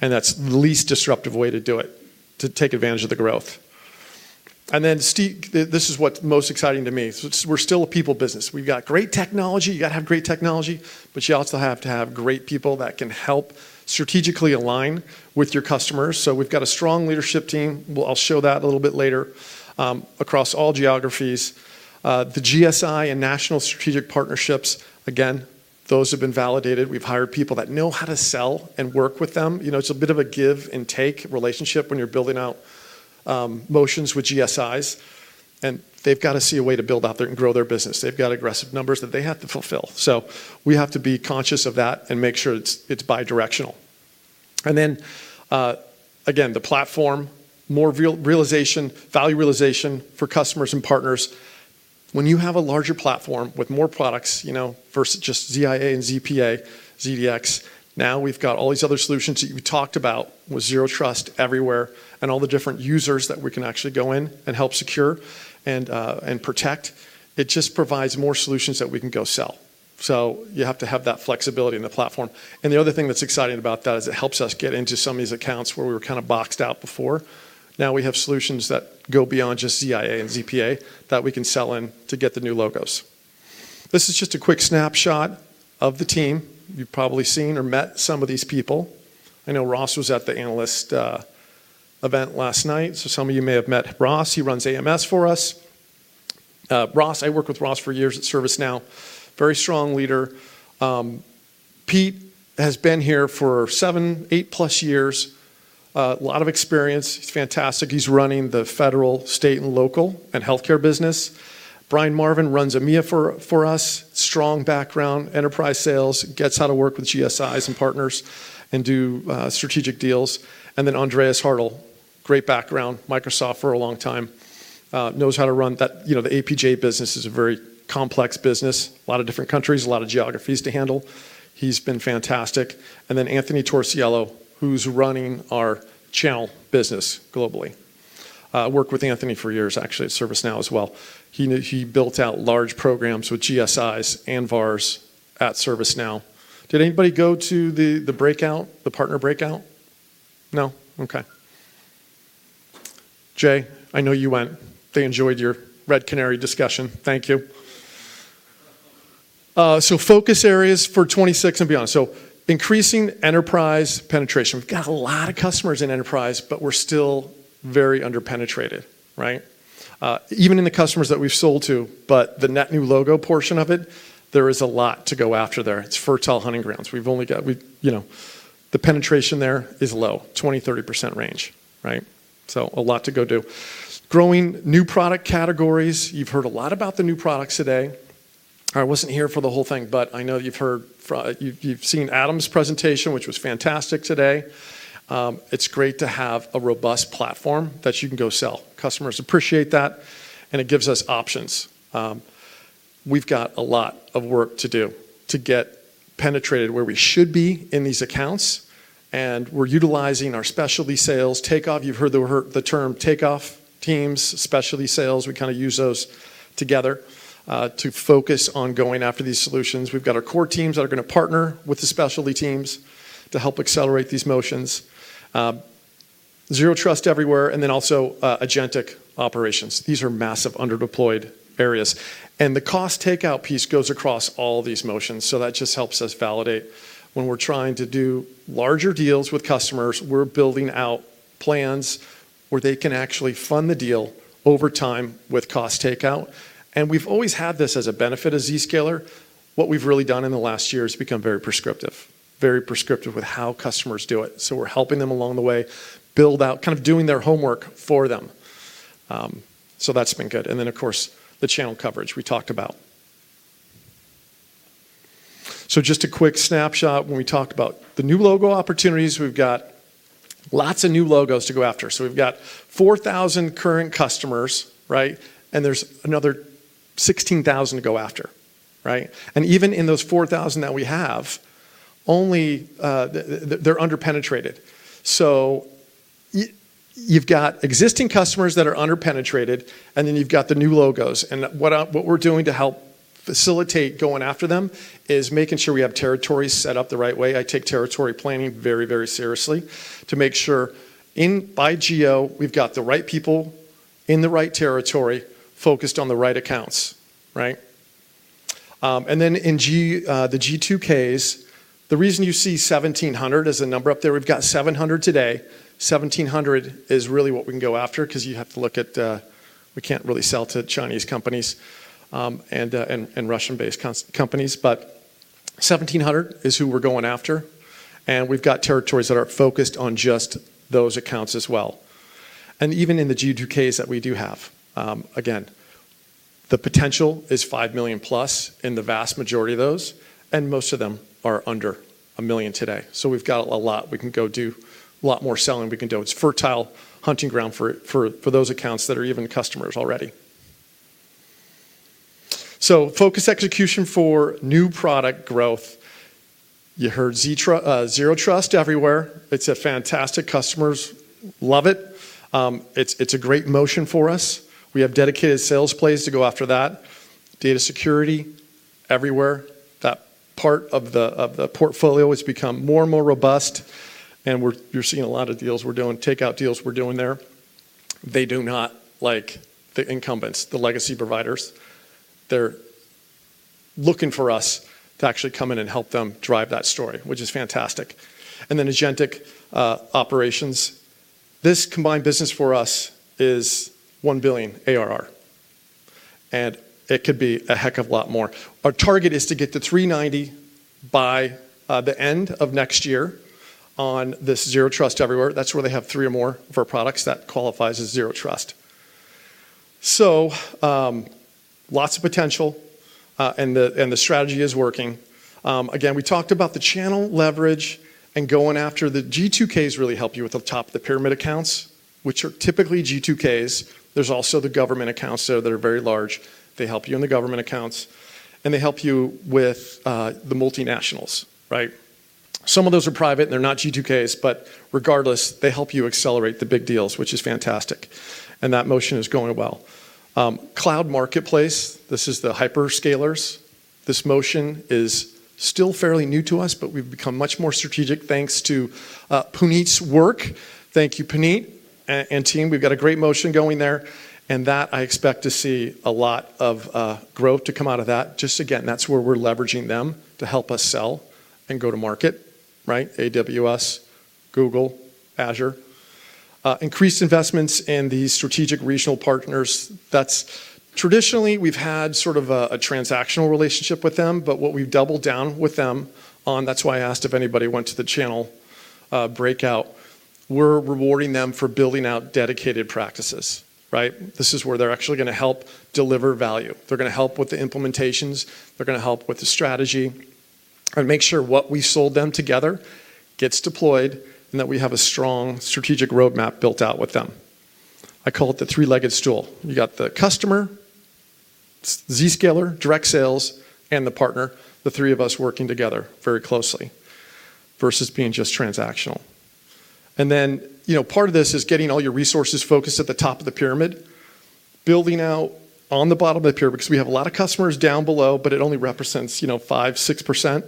That's the least disruptive way to do it, to take advantage of the growth. This is what's most exciting to me. We're still a people business. We've got great technology. You got to have great technology, but you also have to have great people that can help strategically align with your customers. We've got a strong leadership team. I'll show that a little bit later across all geographies. The GSI and national strategic partnerships, again, those have been validated. We've hired people that know how to sell and work with them. It's a bit of a give-and-take relationship when you're building out motions with GSIs. They've got to see a way to build out there and grow their business. They've got aggressive numbers that they have to fulfill. We have to be conscious of that and make sure it's bidirectional. Then again, the platform, more realization, value realization for customers and partners. When you have a larger platform with more products versus just ZIA and ZPA, ZDX, now we've got all these other solutions that you talked about with Zero Trust Everywhere and all the different users that we can actually go in and help secure and protect. It just provides more solutions that we can go sell. You have to have that flexibility in the platform. The other thing that's exciting about that is it helps us get into some of these accounts where we were kind of boxed out before. Now we have solutions that go beyond just ZIA and ZPA that we can sell in to get the new logos. This is just a quick snapshot of the team. You've probably seen or met some of these people. I know Ross was at the analyst event last night. Some of you may have met Ross. He runs AMS for us. Ross, I worked with Ross for years at ServiceNow. Very strong leader. Pete has been here for seven, eight-plus years. A lot of experience. He's fantastic. He's running the federal, state, and local and healthcare business. Brian Marvin runs EMEA for us. Strong background, enterprise sales, gets how to work with GSIs and partners and do strategic deals. Then Andreas Hartl, great background, Microsoft for a long time, knows how to run the APJ business. It's a very complex business, a lot of different countries, a lot of geographies to handle. He's been fantastic. Then Anthony Torciello, who's running our channel business globally. Worked with Anthony for years, actually, at ServiceNow as well. He built out large programs with GSIs, Anvars at ServiceNow. Did anybody go to the breakout, the partner breakout? No? Okay. Jay, I know you went. They enjoyed your Red Canary discussion. Thank you. Focus areas for 2026 and beyond. Increasing enterprise penetration. We've got a lot of customers in enterprise, but we're still very underpenetrated, right? Even in the customers that we've sold to, but the net new logo portion of it, there is a lot to go after there. It's fertile hunting grounds. We've only got the penetration there is low, 20-30% range, right? A lot to go do. Growing new product categories. You've heard a lot about the new products today. I wasn't here for the whole thing, but I know you've seen Adam's presentation, which was fantastic today. It's great to have a robust platform that you can go sell. Customers appreciate that, and it gives us options. We've got a lot of work to do to get penetrated where we should be in these accounts. We're utilizing our specialty sales takeoff. You've heard the term Takeoff Teams, specialty sales. We kind of use those together to focus on going after these solutions. We've got our core teams that are going to partner with the specialty teams to help accelerate these motions. Zero Trust Everywhere, and then also Agentic Operations. These are massive underdeployed areas. The Cost Takeout piece goes across all these motions. That just helps us validate when we're trying to do larger deals with customers, we're building out plans where they can actually fund the deal over time with Cost Takeout. We've always had this as a benefit of Zscaler. What we've really done in the last year has become very prescriptive, very prescriptive with how customers do it. We're helping them along the way, build out, kind of doing their homework for them. That's been good. Of course, the channel coverage we talked about. Just a quick snapshot when we talk about the new logo opportunities. We've got lots of new logos to go after. We've got 4,000 current customers, right? There's another 16,000 to go after, right? Even in those 4,000 that we have, they're underpenetrated. You've got existing customers that are underpenetrated, and then you've got the new logos. What we're doing to help facilitate going after them is making sure we have territories set up the right way. I take territory planning very, very seriously to make sure in by GO, we've got the right people in the right territory focused on the right accounts, right? In the G2Ks, the reason you see 1,700 as a number up there, we've got 700 today. 1,700 is really what we can go after because you have to look at we can't really sell to Chinese companies and Russian-based companies. 1,700 is who we're going after. We've got territories that are focused on just those accounts as well. Even in the G2Ks that we do have, again, the potential is $5 million plus in the vast majority of those, and most of them are under $1 million today. We've got a lot. We can go do a lot more selling. We can do it. It's fertile hunting ground for those accounts that are even customers already. Focus execution for new product growth. You heard Zero Trust Everywhere. It's fantastic. Customers love it. It's a great motion for us. We have dedicated sales plays to go after that. Data Security Everywhere. That part of the portfolio has become more and more robust, and you're seeing a lot of deals we're doing, takeout deals we're doing there. They do not like the incumbents, the legacy providers. They're looking for us to actually come in and help them drive that story, which is fantastic. Agentic Operations. This combined business for us is $1 billion ARR. It could be a heck of a lot more. Our target is to get to $390 million by the end of next year on this Zero Trust Everywhere. That's where they have three or more of our products that qualify as Zero Trust. Lots of potential, and the strategy is working. Again, we talked about the channel leverage and going after the G2Ks really helps you with the top of the pyramid accounts, which are typically G2Ks. There's also the government accounts that are very large. They help you in the government accounts, and they help you with the multinationals, right? Some of those are private, and they're not G2Ks, but regardless, they help you accelerate the big deals, which is fantastic. That motion is going well. Cloud marketplace, this is the Hyperscalers. This motion is still fairly new to us, but we've become much more strategic thanks to Puneet's work. Thank you, Puneet and team. We've got a great motion going there. I expect to see a lot of growth to come out of that. Just again, that's where we're leveraging them to help us sell and go to market, right? AWS, Google, Azure. Increased investments in these strategic regional partners. Traditionally, we've had sort of a transactional relationship with them, but what we've doubled down with them on, that's why I asked if anybody went to the channel breakout. We're rewarding them for building out dedicated practices, right? This is where they're actually going to help deliver value. They're going to help with the implementations. They're going to help with the strategy and make sure what we sold them together gets deployed and that we have a strong strategic roadmap built out with them. I call it the Three-Legged Stool. You got the customer, Zscaler, direct sales, and the partner, the three of us working together very closely versus being just transactional. Part of this is getting all your resources focused at the top of the pyramid, building out on the bottom of the pyramid because we have a lot of customers down below, but it only represents 5%-6%.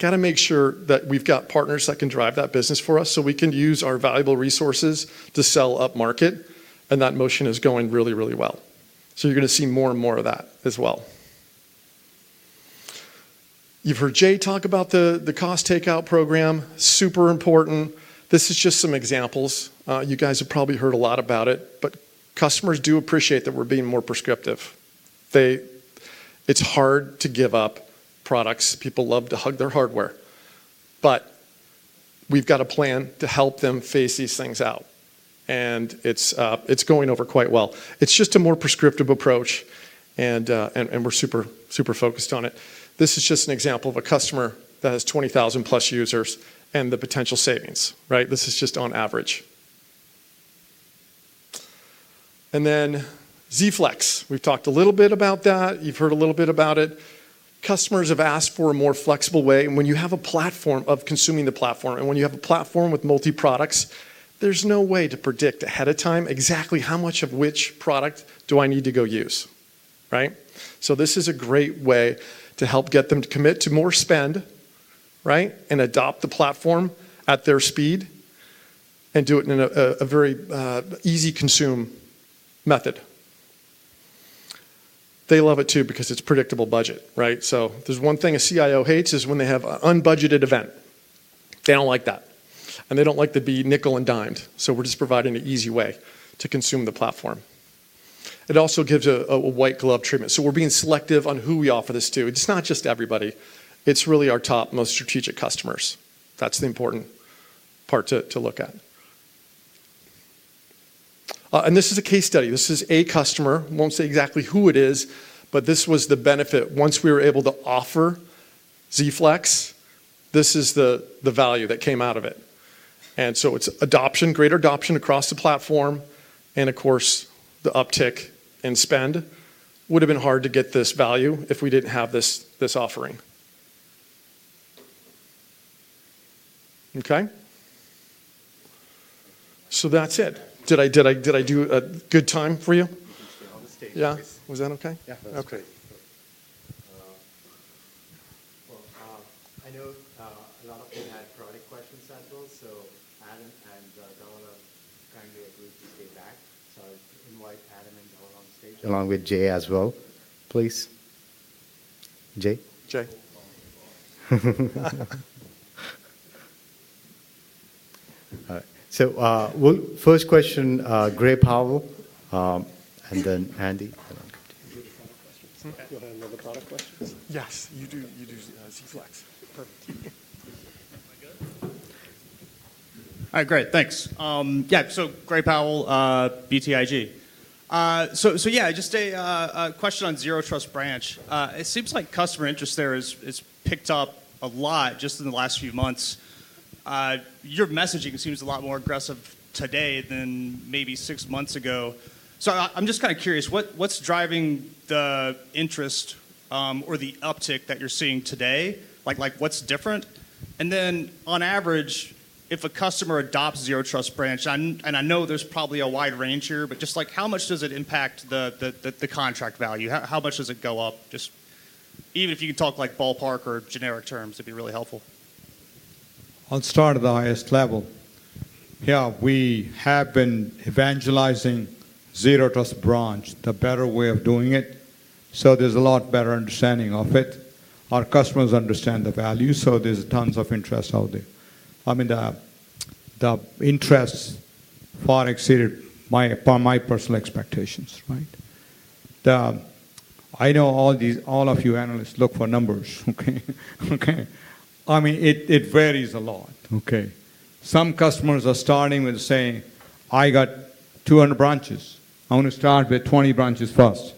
Got to make sure that we've got partners that can drive that business for us so we can use our valuable resources to sell up market, and that motion is going really, really well. You're going to see more and more of that as well. You've heard Jay talk about the Cost Takeout program. Super important. This is just some examples. You guys have probably heard a lot about it, but customers do appreciate that we're being more prescriptive. It's hard to give up products. People love to hug their hardware. We've got a plan to help them phase these things out. It's going over quite well. It's just a more prescriptive approach, and we're super focused on it. This is just an example of a customer that has 20,000 plus users and the potential savings, right? This is just on average. Z-Flex. We've talked a little bit about that. You've heard a little bit about it. Customers have asked for a more flexible way. When you have a platform of consuming the platform, and when you have a platform with multiproducts, there's no way to predict ahead of time exactly how much of which product do I need to go use, right? This is a great way to help get them to commit to more spend, right, and adopt the platform at their speed and do it in a very easy consume method. They love it too because it's predictable budget, right? There's one thing a CIO hates is when they have an unbudgeted event. They don't like that. They don't like to be nickel and dimed. We're just providing an easy way to consume the platform. It also gives a white glove treatment. We're being selective on who we offer this to. It's not just everybody. It's really our top most strategic customers. That's the important part to look at. This is a case study. This is a customer. Won't say exactly who it is, but this was the benefit once we were able to offer Z-Flex. This is the value that came out of it. It's adoption, greater adoption across the platform, and of course, the uptick in spend. Would have been hard to get this value if we didn't have this offering. Okay? That's it. Did I do a good job for you? Yeah. Was that okay? Yeah. Okay. I know a lot of you had product questions as well. Adam and Dawn are kindly agreed to stay back. I will invite Adam and Dawn on stage. Along with Jay as well, please. Jay? Jay. All right. First question, Gray Powell. And then Andy. Do you have product questions? Yes, you do Z-Flex. Perfect. All right, great. Thanks. Yeah, so Gray Powell, BTIG. Yeah, just a question on Zero Trust Branch. It seems like customer interest there has picked up a lot just in the last few months. Your messaging seems a lot more aggressive today than maybe six months ago. I'm just kind of curious, what's driving the interest or the uptick that you're seeing today? What's different? On average, if a customer adopts Zero Trust Branch, and I know there's probably a wide range here, but just how much does it impact the contract value? How much does it go up? Even if you can talk ballpark or generic terms, it'd be really helpful. On start of the highest level, yeah, we have been evangelizing Zero Trust Branch, the better way of doing it. There is a lot better understanding of it. Our customers understand the value, so there is tons of interest out there. I mean, the interest far exceeded my personal expectations, right? I know all of you analysts look for numbers, okay? I mean, it varies a lot, okay? Some customers are starting with saying, "I got 200 branches. I want to start with 20 branches first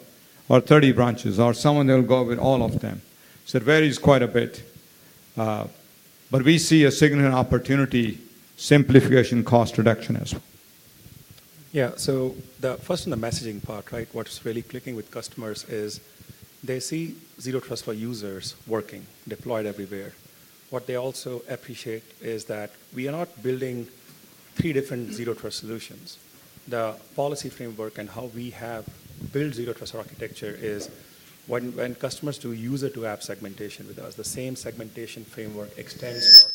or 30 branches," or someone will go with all of them. It varies quite a bit. We see a significant opportunity, simplification, cost reduction as well. Yeah. First in the messaging part, right, what's really clicking with customers is they see Zero Trust for users working, deployed everywhere. What they also appreciate is that we are not building three different Zero Trust solutions. The policy framework and how we have built Zero Trust architecture is when customers do user-to-app segmentation with us, the same segmentation framework extends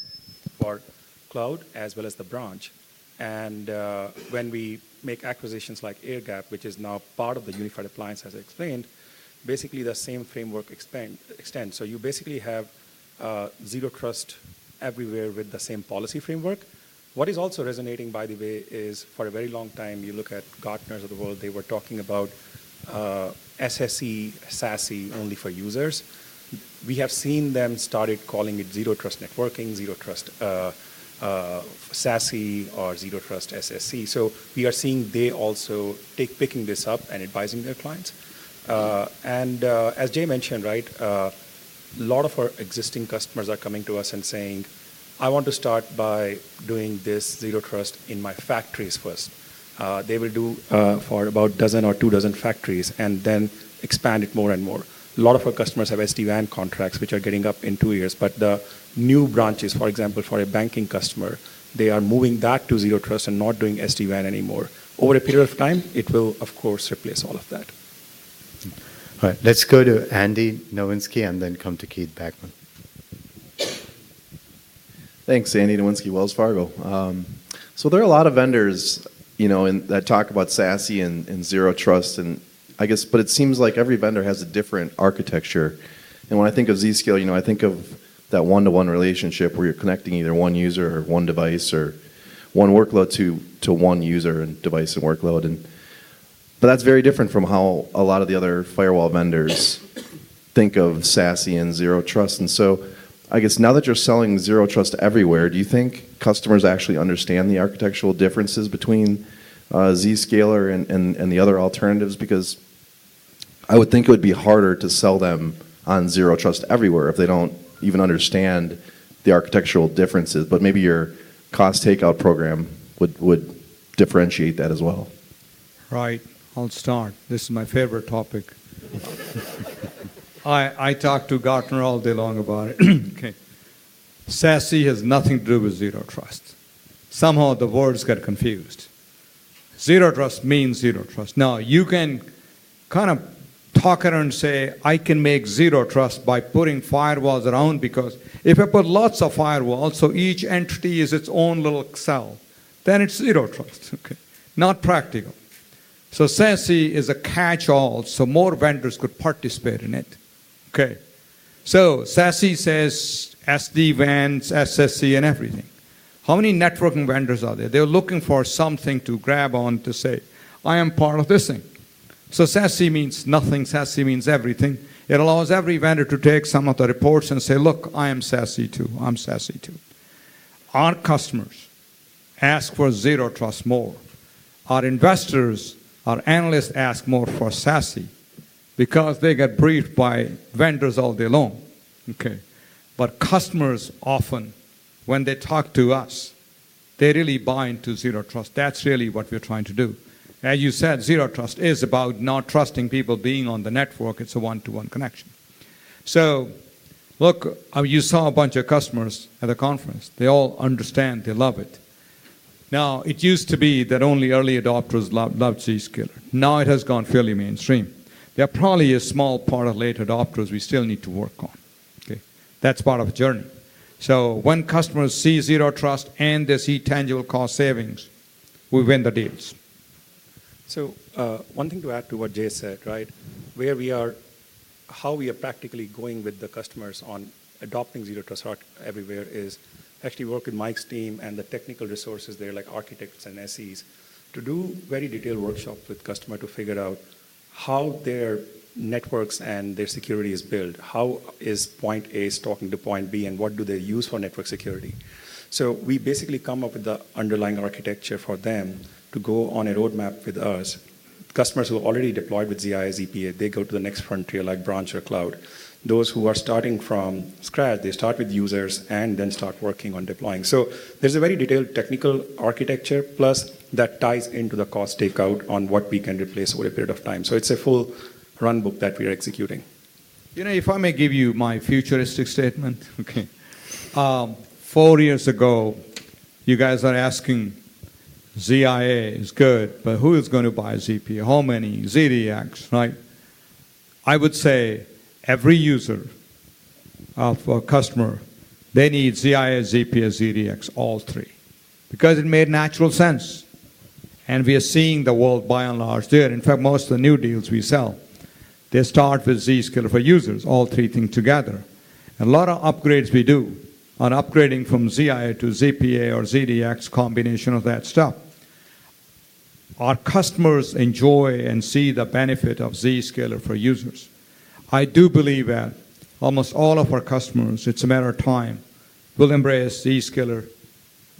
for cloud as well as the branch. When we make acquisitions like AirGap, which is now part of the unified appliance, as I explained, basically the same framework extends. You basically have Zero Trust Everywhere with the same policy framework. What is also resonating, by the way, is for a very long time, you look at Gartners of the world, they were talking about SSE, SASE only for users. We have seen them started calling it Zero Trust Networking, Zero Trust SASE, or Zero Trust SSE. We are seeing they also picking this up and advising their clients. As Jay mentioned, right, a lot of our existing customers are coming to us and saying, "I want to start by doing this Zero Trust in my factories first." They will do for about a dozen or two dozen factories and then expand it more and more. A lot of our customers have SD-WAN contracts, which are getting up in two years. The new branches, for example, for a banking customer, they are moving that to Zero Trust and not doing SD-WAN anymore. Over a period of time, it will, of course, replace all of that. All right. Let's go to Andy Nowinsky and then come to Keith Bachman. Thanks, Andy Nowinsky, Wells Fargo. There are a lot of vendors that talk about SASE and Zero Trust, but it seems like every vendor has a different architecture. When I think of Zscaler, I think of that one-to-one relationship where you're connecting either one user or one device or one workload to one user and device and workload. That is very different from how a lot of the other firewall vendors think of SASE and Zero Trust. I guess now that you're selling Zero Trust Everywhere, do you think customers actually understand the architectural differences between Zscaler and the other alternatives? I would think it would be harder to sell them on Zero Trust Everywhere if they do not even understand the architectural differences. Maybe your Cost Takeout program would differentiate that as well. Right. On start, this is my favorite topic. I talked to Gartner all day long about it. SASE has nothing to do with Zero Trust. Somehow the words got confused. Zero Trust means Zero Trust. Now, you can kind of talk around and say, "I can make Zero Trust by putting firewalls around," because if I put lots of firewalls, so each entity is its own little cell, then it's Zero Trust. Not practical. SASE is a catch-all, so more vendors could participate in it. Okay. SASE says SD-WANs, SSE, and everything. How many networking vendors are there? They're looking for something to grab on to say, "I am part of this thing." SASE means nothing. SASE means everything. It allows every vendor to take some of the reports and say, "Look, I am SASE too. I'm SASE too." Our customers ask for Zero Trust more. Our investors, our analysts ask more for SASE because they got briefed by vendors all day long. Customers often, when they talk to us, they really buy into Zero Trust. That's really what we're trying to do. As you said, Zero Trust is about not trusting people being on the network. It's a one-to-one connection. Look, you saw a bunch of customers at the conference. They all understand. They love it. It used to be that only early adopters loved Zscaler. Now it has gone fairly mainstream. There probably is a small part of late adopters we still need to work on. That's part of the journey. When customers see Zero Trust and they see tangible cost savings, we win the deals. One thing to add to what Jay said, right? Where we are, how we are practically going with the customers on adopting Zero Trust Everywhere is actually work with Mike's team and the technical resources there, like architects and SEs, to do very detailed workshops with customers to figure out how their networks and their security is built. How is point A talking to point B, and what do they use for network security? We basically come up with the underlying architecture for them to go on a roadmap with us. Customers who are already deployed with ZIA, ZPA, they go to the next frontier like branch or cloud. Those who are starting from scratch, they start with users and then start working on deploying. There's a very detailed technical architecture plus that ties into the Cost Takeout on what we can replace over a period of time. It's a full runbook that we are executing. You know, if I may give you my futuristic statement, okay? Four years ago, you guys are asking ZIA is good, but who is going to buy ZPA? How many? ZDX, right? I would say every user of a customer, they need ZIA, ZPA, ZDX, all three. Because it made natural sense. We are seeing the world by and large do it. In fact, most of the new deals we sell, they start with Zscaler for Users, all three things together. A lot of upgrades we do on upgrading from ZIA to ZPA or ZDX, combination of that stuff. Our customers enjoy and see the benefit of Zscaler for Users. I do believe that almost all of our customers, it's a matter of time, will embrace Zscaler,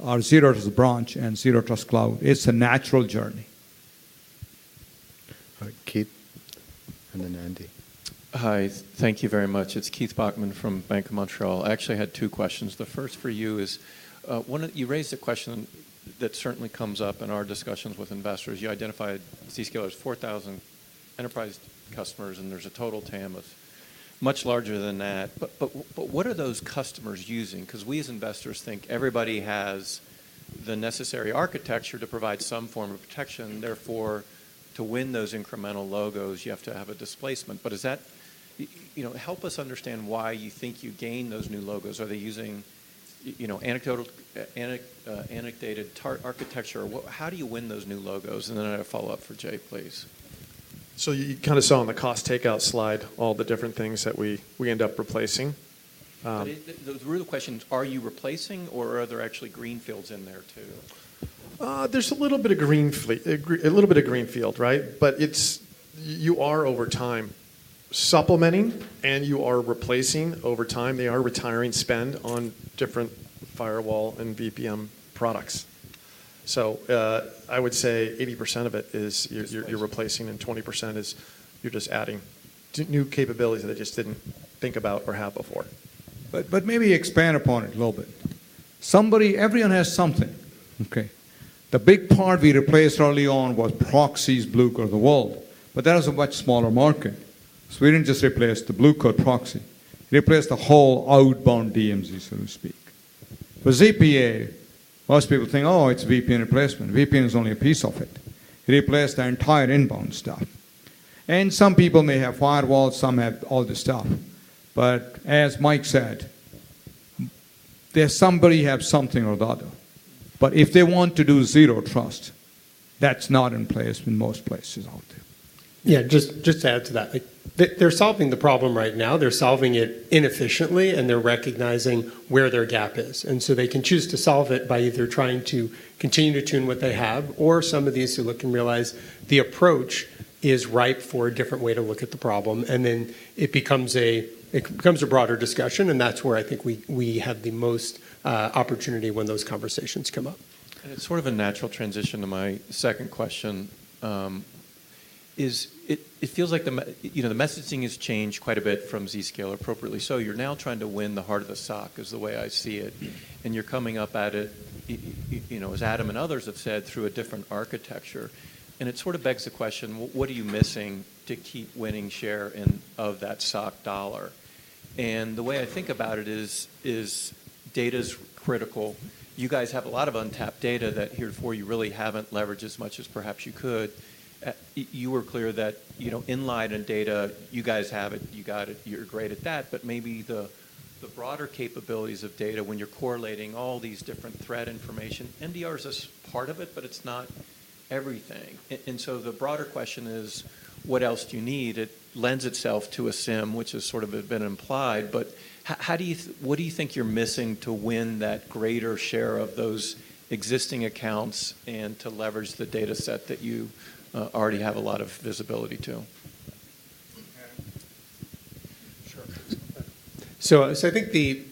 our Zero Trust Branch, and Zero Trust Cloud. It's a natural journey. Keith and then Andy. Hi. Thank you very much. It's Keith Bachman from Bank of Montreal. I actually had two questions. The first for you is you raised a question that certainly comes up in our discussions with investors. You identified Zscaler as 4,000 enterprise customers, and there's a total TAM of much larger than that. What are those customers using? We as investors think everybody has the necessary architecture to provide some form of protection. Therefore, to win those incremental logos, you have to have a displacement. Help us understand why you think you gain those new logos. Are they using anecdotal architecture? How do you win those new logos? I have a follow-up for Jay, please. You kind of saw on the Cost Takeout slide all the different things that we end up replacing. The real question is, are you replacing, or are there actually greenfields in there too? There's a little bit of greenfield, right? You are over time supplementing, and you are replacing over time. They are retiring spend on different firewall and VPN products. I would say 80% of it is you're replacing, and 20% is you're just adding new capabilities that they just didn't think about or have before. Maybe expand upon it a little bit. Everyone has something. The big part we replaced early on was proxies, Blue Coat of the world. That was a much smaller market. We did not just replace the Blue Coat proxy. We replaced the whole outbound DMZ, so to speak. For ZPA, most people think, "Oh, it is a VPN replacement." VPN is only a piece of it. It replaced the entire inbound stuff. Some people may have firewalls, some have all this stuff. As Mike said, somebody has something or the other. If they want to do Zero Trust, that is not in place in most places out there. Yeah, just to add to that, they're solving the problem right now. They're solving it inefficiently, and they're recognizing where their gap is. They can choose to solve it by either trying to continue to tune what they have, or some of these who look and realize the approach is ripe for a different way to look at the problem. It becomes a broader discussion, and that's where I think we have the most opportunity when those conversations come up. It is sort of a natural transition to my second question. It feels like the messaging has changed quite a bit from Zscaler appropriately. You are now trying to win the heart of the stock, is the way I see it. You are coming up at it, as Adam and others have said, through a different architecture. It sort of begs the question, what are you missing to keep winning share of that stock dollar? The way I think about it is data is critical. You guys have a lot of untapped data that here for you really have not leveraged as much as perhaps you could. You were clear that inline and data, you guys have it. You got it. You are great at that. Maybe the broader capabilities of data when you're correlating all these different threat information, NDR is a part of it, but it's not everything. The broader question is, what else do you need? It lends itself to a SIEM, which has sort of been implied. What do you think you're missing to win that greater share of those existing accounts and to leverage the data set that you already have a lot of visibility to? I think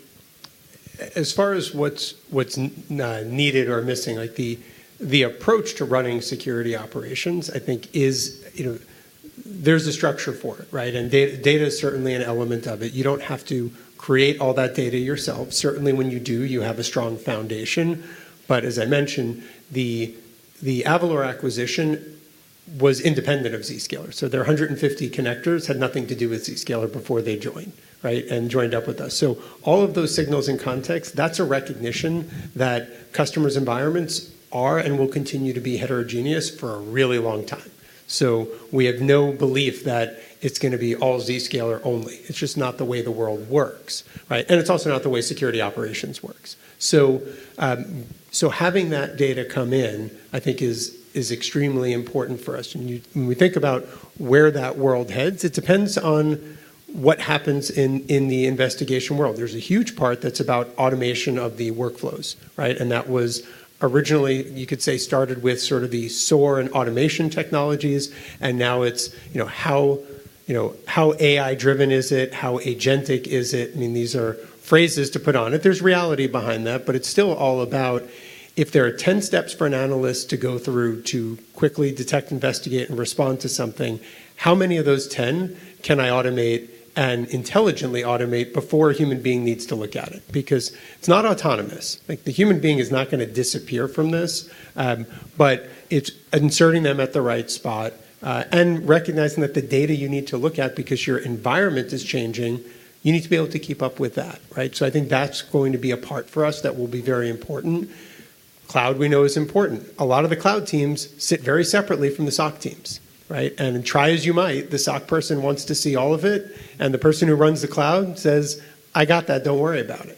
as far as what's needed or missing, the approach to running security operations, I think there's a structure for it, right? Data is certainly an element of it. You don't have to create all that data yourself. Certainly, when you do, you have a strong foundation. As I mentioned, the Avalor acquisition was independent of Zscaler. Their 150 connectors had nothing to do with Zscaler before they joined and joined up with us. All of those signals and contexts, that's a recognition that customers' environments are and will continue to be heterogeneous for a really long time. We have no belief that it's going to be all Zscaler only. It's just not the way the world works. It's also not the way security operations works. Having that data come in, I think, is extremely important for us. When we think about where that world heads, it depends on what happens in the investigation world. There's a huge part that's about automation of the workflows. That was originally, you could say, started with sort of the SOAR and automation technologies. Now it's how AI-driven is it? How agentic is it? I mean, these are phrases to put on it. There's reality behind that. It's still all about if there are 10 steps for an analyst to go through to quickly detect, investigate, and respond to something, how many of those 10 can I automate and intelligently automate before a human being needs to look at it? Because it's not autonomous. The human being is not going to disappear from this. It is inserting them at the right spot and recognizing that the data you need to look at because your environment is changing, you need to be able to keep up with that. I think that is going to be a part for us that will be very important. Cloud, we know, is important. A lot of the cloud teams sit very separately from the SOC teams. Try as you might, the SOC person wants to see all of it. The person who runs the cloud says, "I got that. Do not worry about it."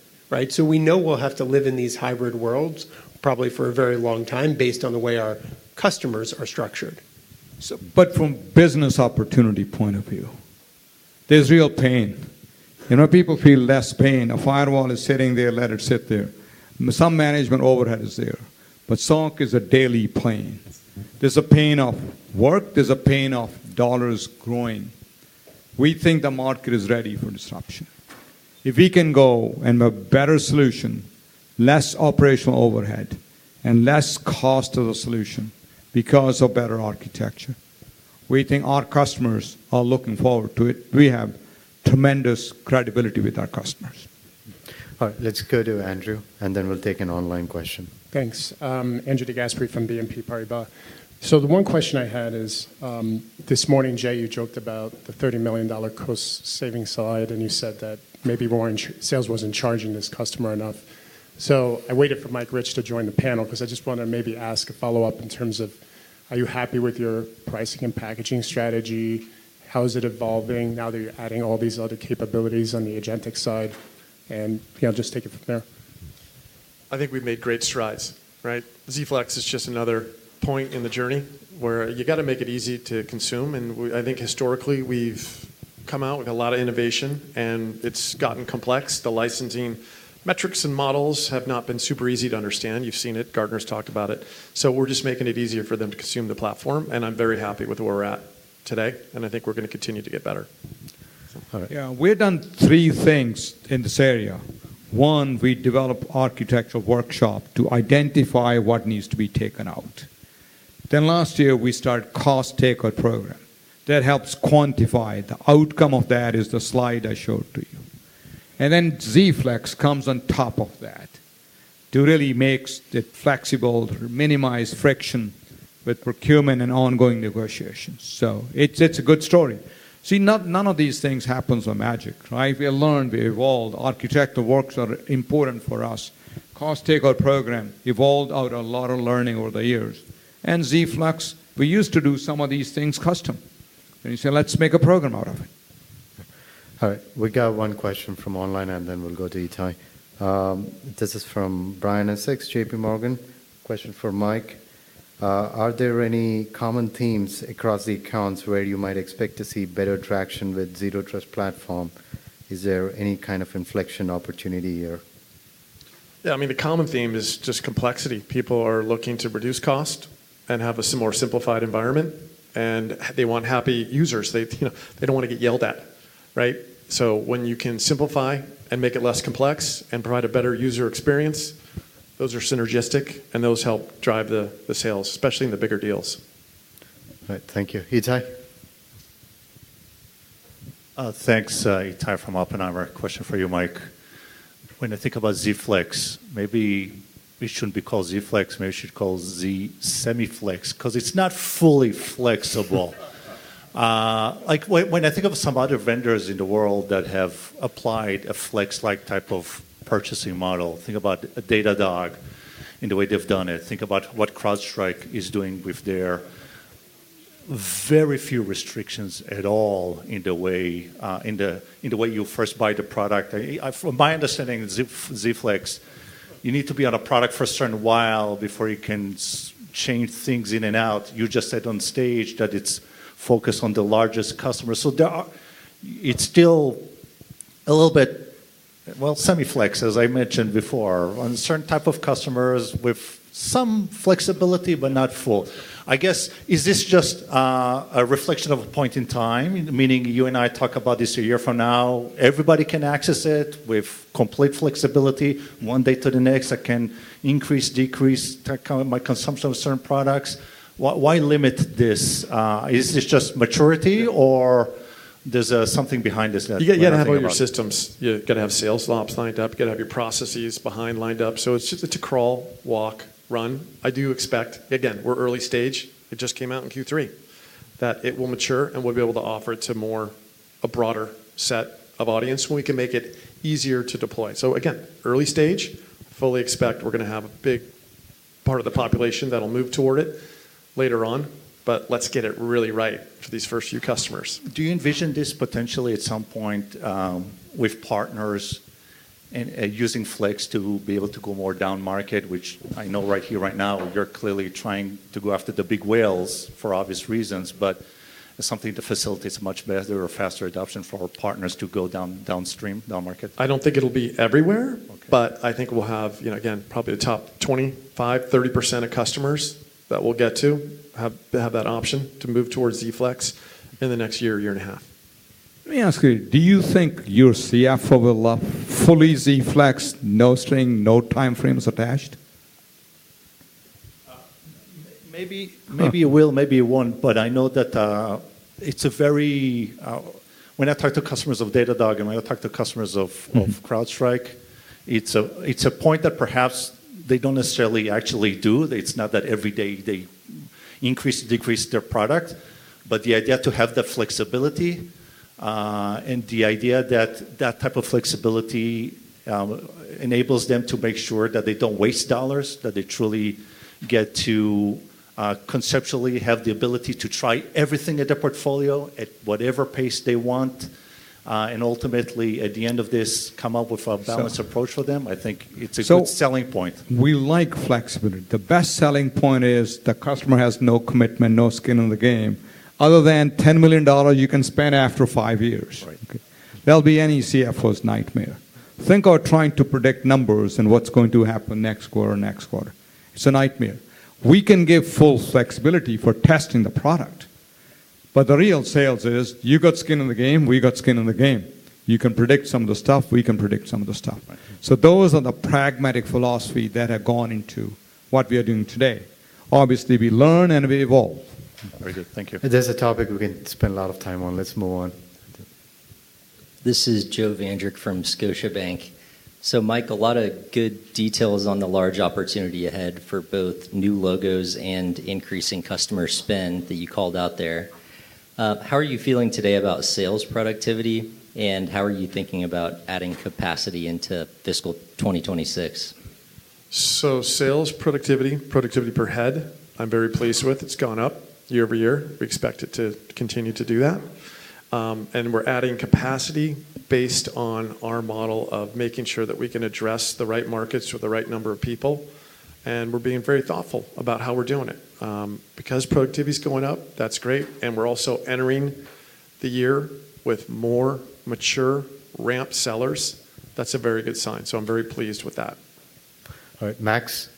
We know we will have to live in these hybrid worlds probably for a very long time based on the way our customers are structured. From a business opportunity point of view, there's real pain. People feel less pain. A firewall is sitting there. Let it sit there. Some management overhead is there. SOC is a daily pain. There's a pain of work. There's a pain of dollars growing. We think the market is ready for disruption. If we can go and have a better solution, less operational overhead, and less cost of the solution because of better architecture, we think our customers are looking forward to it. We have tremendous credibility with our customers. All right. Let's go to Andrew, and then we'll take an online question. Thanks. Andrew DeGasperi from BNP Paribas. The one question I had is this morning, Jay, you joked about the $30 million cost savings slide, and you said that maybe Warren Sales was not charging this customer enough. I waited for Mike Rich to join the panel because I just wanted to maybe ask a follow-up in terms of, are you happy with your pricing and packaging strategy? How is it evolving now that you are adding all these other capabilities on the Agentic Side? Just take it from there. I think we've made great strides. Z-Flex is just another point in the journey where you've got to make it easy to consume. I think historically, we've come out with a lot of innovation, and it's gotten complex. The licensing metrics and models have not been super easy to understand. You've seen it. Gartner's talked about it. We are just making it easier for them to consume the platform. I am very happy with where we're at today. I think we're going to continue to get better. Yeah. We've done three things in this area. One, we developed an architectural workshop to identify what needs to be taken out. Last year, we started a Cost Takeout program that helps quantify the outcome of that, is the slide I showed to you. Z-Flex comes on top of that to really make it flexible, minimize friction with procurement and ongoing negotiations. It's a good story. None of these things happens by magic. We learn, we evolve. Architectural works are important for us. Cost takeout program evolved out a lot of learning over the years. Z-Flex, we used to do some of these things custom. You say, "Let's make a program out of it. All right. We got one question from online, and then we'll go to Ittai. This is from Brian Essex, JP Morgan. Question for Mike. Are there any common themes across the accounts where you might expect to see better traction with Zero Trust platform? Is there any kind of inflection opportunity here? Yeah. I mean, the common theme is just complexity. People are looking to reduce cost and have a more simplified environment. They want happy users. They do not want to get yelled at. When you can simplify and make it less complex and provide a better user experience, those are synergistic, and those help drive the sales, especially in the bigger deals. All right. Thank you. Ittai. Thanks, Ittai from Oppenheimer. Question for you, Mike. When I think about Z-Flex, maybe we shouldn't be called Z-Flex. Maybe we should call ZSemiFlex because it's not fully flexible. When I think of some other vendors in the world that have applied a Flex-like type of purchasing model, think about Datadog in the way they've done it. Think about what CrowdStrike is doing with their very few restrictions at all in the way you first buy the product. From my understanding, Z-Flex, you need to be on a product for a certain while before you can change things in and out. You just said on stage that it's focused on the largest customers. It is still a little bit, well, semi-flex, as I mentioned before, on a certain type of customers with some flexibility, but not full. I guess, is this just a reflection of a point in time? Meaning, you and I talk about this a year from now, everybody can access it with complete flexibility. One day to the next, I can increase, decrease my consumption of certain products. Why limit this? Is this just maturity, or there's something behind this? You've got to have all your systems. You've got to have sales ops lined up. You've got to have your processes behind lined up. It's a crawl, walk, run. I do expect, again, we're early stage. It just came out in Q3, that it will mature and we'll be able to offer it to a broader set of audience when we can make it easier to deploy. Again, early stage, fully expect we're going to have a big part of the population that'll move toward it later on. Let's get it really right for these first few customers. Do you envision this potentially at some point with partners using Flex to be able to go more down market, which I know right here, right now, you're clearly trying to go after the big whales for obvious reasons, but something to facilitate a much better or faster adoption for our partners to go downstream, down market? I don't think it'll be everywhere. I think we'll have, again, probably the top 25%º–30% of customers that we'll get to have that option to move towards Z-Flex in the next year, year and a half. Let me ask you, do you think your CFO will love fully Z-Flex, no string, no time frames attached? Maybe it will, maybe it won't. I know that it's a very, when I talk to customers of Datadog and when I talk to customers of CrowdStrike, it's a point that perhaps they don't necessarily actually do. It's not that every day they increase or decrease their product. The idea to have that flexibility and the idea that that type of flexibility enables them to make sure that they don't waste dollars, that they truly get to conceptually have the ability to try everything at their portfolio at whatever pace they want, and ultimately, at the end of this, come up with a balanced approach for them, I think it's a good selling point. We like flexibility. The best selling point is the customer has no commitment, no skin in the game, other than $10 million you can spend after five years. That'll be any CFO's nightmare. Think about trying to predict numbers and what's going to happen next quarter or next quarter. It's a nightmare. We can give full flexibility for testing the product. The real sales is you've got skin in the game. We've got skin in the game. You can predict some of the stuff. We can predict some of the stuff. Those are the pragmatic philosophy that have gone into what we are doing today. Obviously, we learn and we evolve. Very good. Thank you. There's a topic we can spend a lot of time on. Let's move on. This is Joe Vandrick from Scotiabank. Mike, a lot of good details on the large opportunity ahead for both new logos and increasing customer spend that you called out there. How are you feeling today about sales productivity, and how are you thinking about adding capacity into fiscal 2026? Sales productivity, productivity per head, I'm very pleased with. It's gone up year over year. We expect it to continue to do that. We're adding capacity based on our model of making sure that we can address the right markets with the right number of people. We're being very thoughtful about how we're doing it. Because productivity is going up, that's great. We're also entering the year with more mature ramp sellers. That's a very good sign. I'm very pleased with that. All right. Max.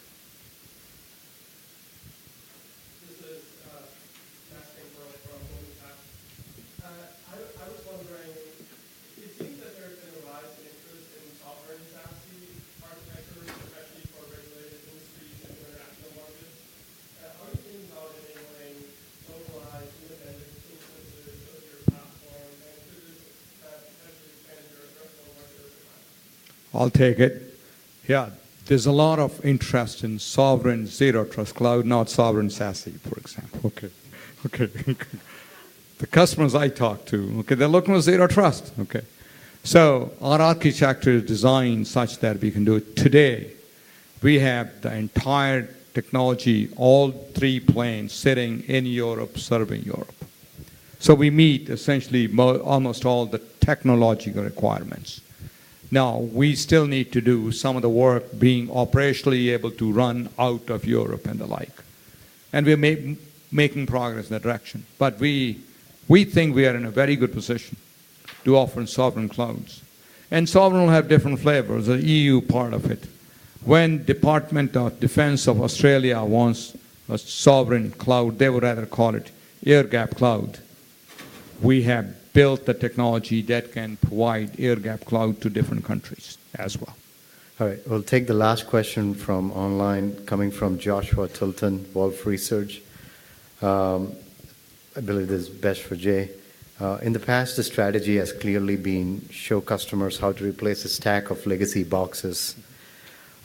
This is Matt from Goldman Sachs. I was wondering, it seems that there's been a rise in interest in software and SaaS architectures, especially for regulated industries and international markets. Are you thinking about enabling localized independent instances of your platform and increases that potentially expand your addressable market? I'll take it. Yeah. There's a lot of interest in sovereign Zero Trust Cloud, not sovereign SaaS, for example. The customers I talk to, they're looking for Zero Trust. Our architecture is designed such that we can do it today. We have the entire technology, all three planes, sitting in Europe, serving Europe. We meet essentially almost all the technological requirements. Now, we still need to do some of the work being operationally able to run out of Europe and the like. We're making progress in that direction. We think we are in a very good position to offer sovereign clouds. Sovereign will have different flavors, the EU part of it. When the Department of Defense of Australia wants a sovereign cloud, they would rather call it air-gapped cloud. We have built the technology that can provide air-gapped cloud to different countries as well. All right. We'll take the last question from online coming from Joshua Tilton, Wolf Research. I believe this is best for Jay. In the past, the strategy has clearly been to show customers how to replace a stack of legacy boxes.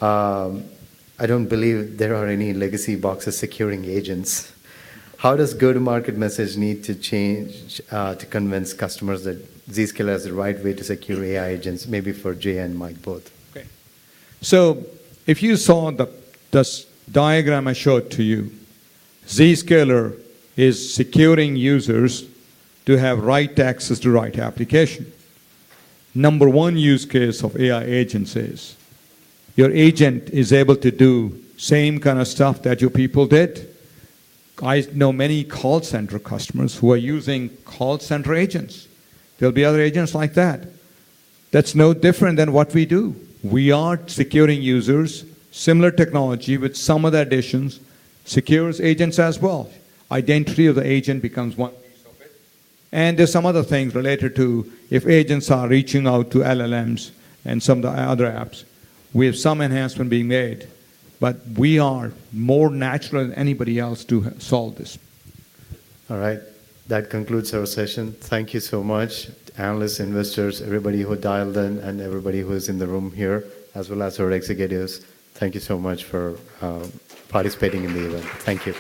I don't believe there are any legacy boxes securing agents. How does go-to-market message need to change to convince customers that Zscaler has the right way to secure AI agents, maybe for Jay and Mike both? If you saw the diagram I showed to you, Zscaler is securing users to have right access to the right application. Number one use case of AI agents is your agent is able to do the same kind of stuff that your people did. I know many call center customers who are using call center agents. There will be other agents like that. That is no different than what we do. We are securing users, similar technology with some of the additions, secures agents as well. Identity of the agent becomes one piece of it. There are some other things related to if agents are reaching out to LLMs and some of the other apps. We have some enhancement being made. We are more natural than anybody else to solve this. All right. That concludes our session. Thank you so much, analysts, investors, everybody who dialed in, and everybody who is in the room here, as well as our executives. Thank you so much for participating in the event. Thank you.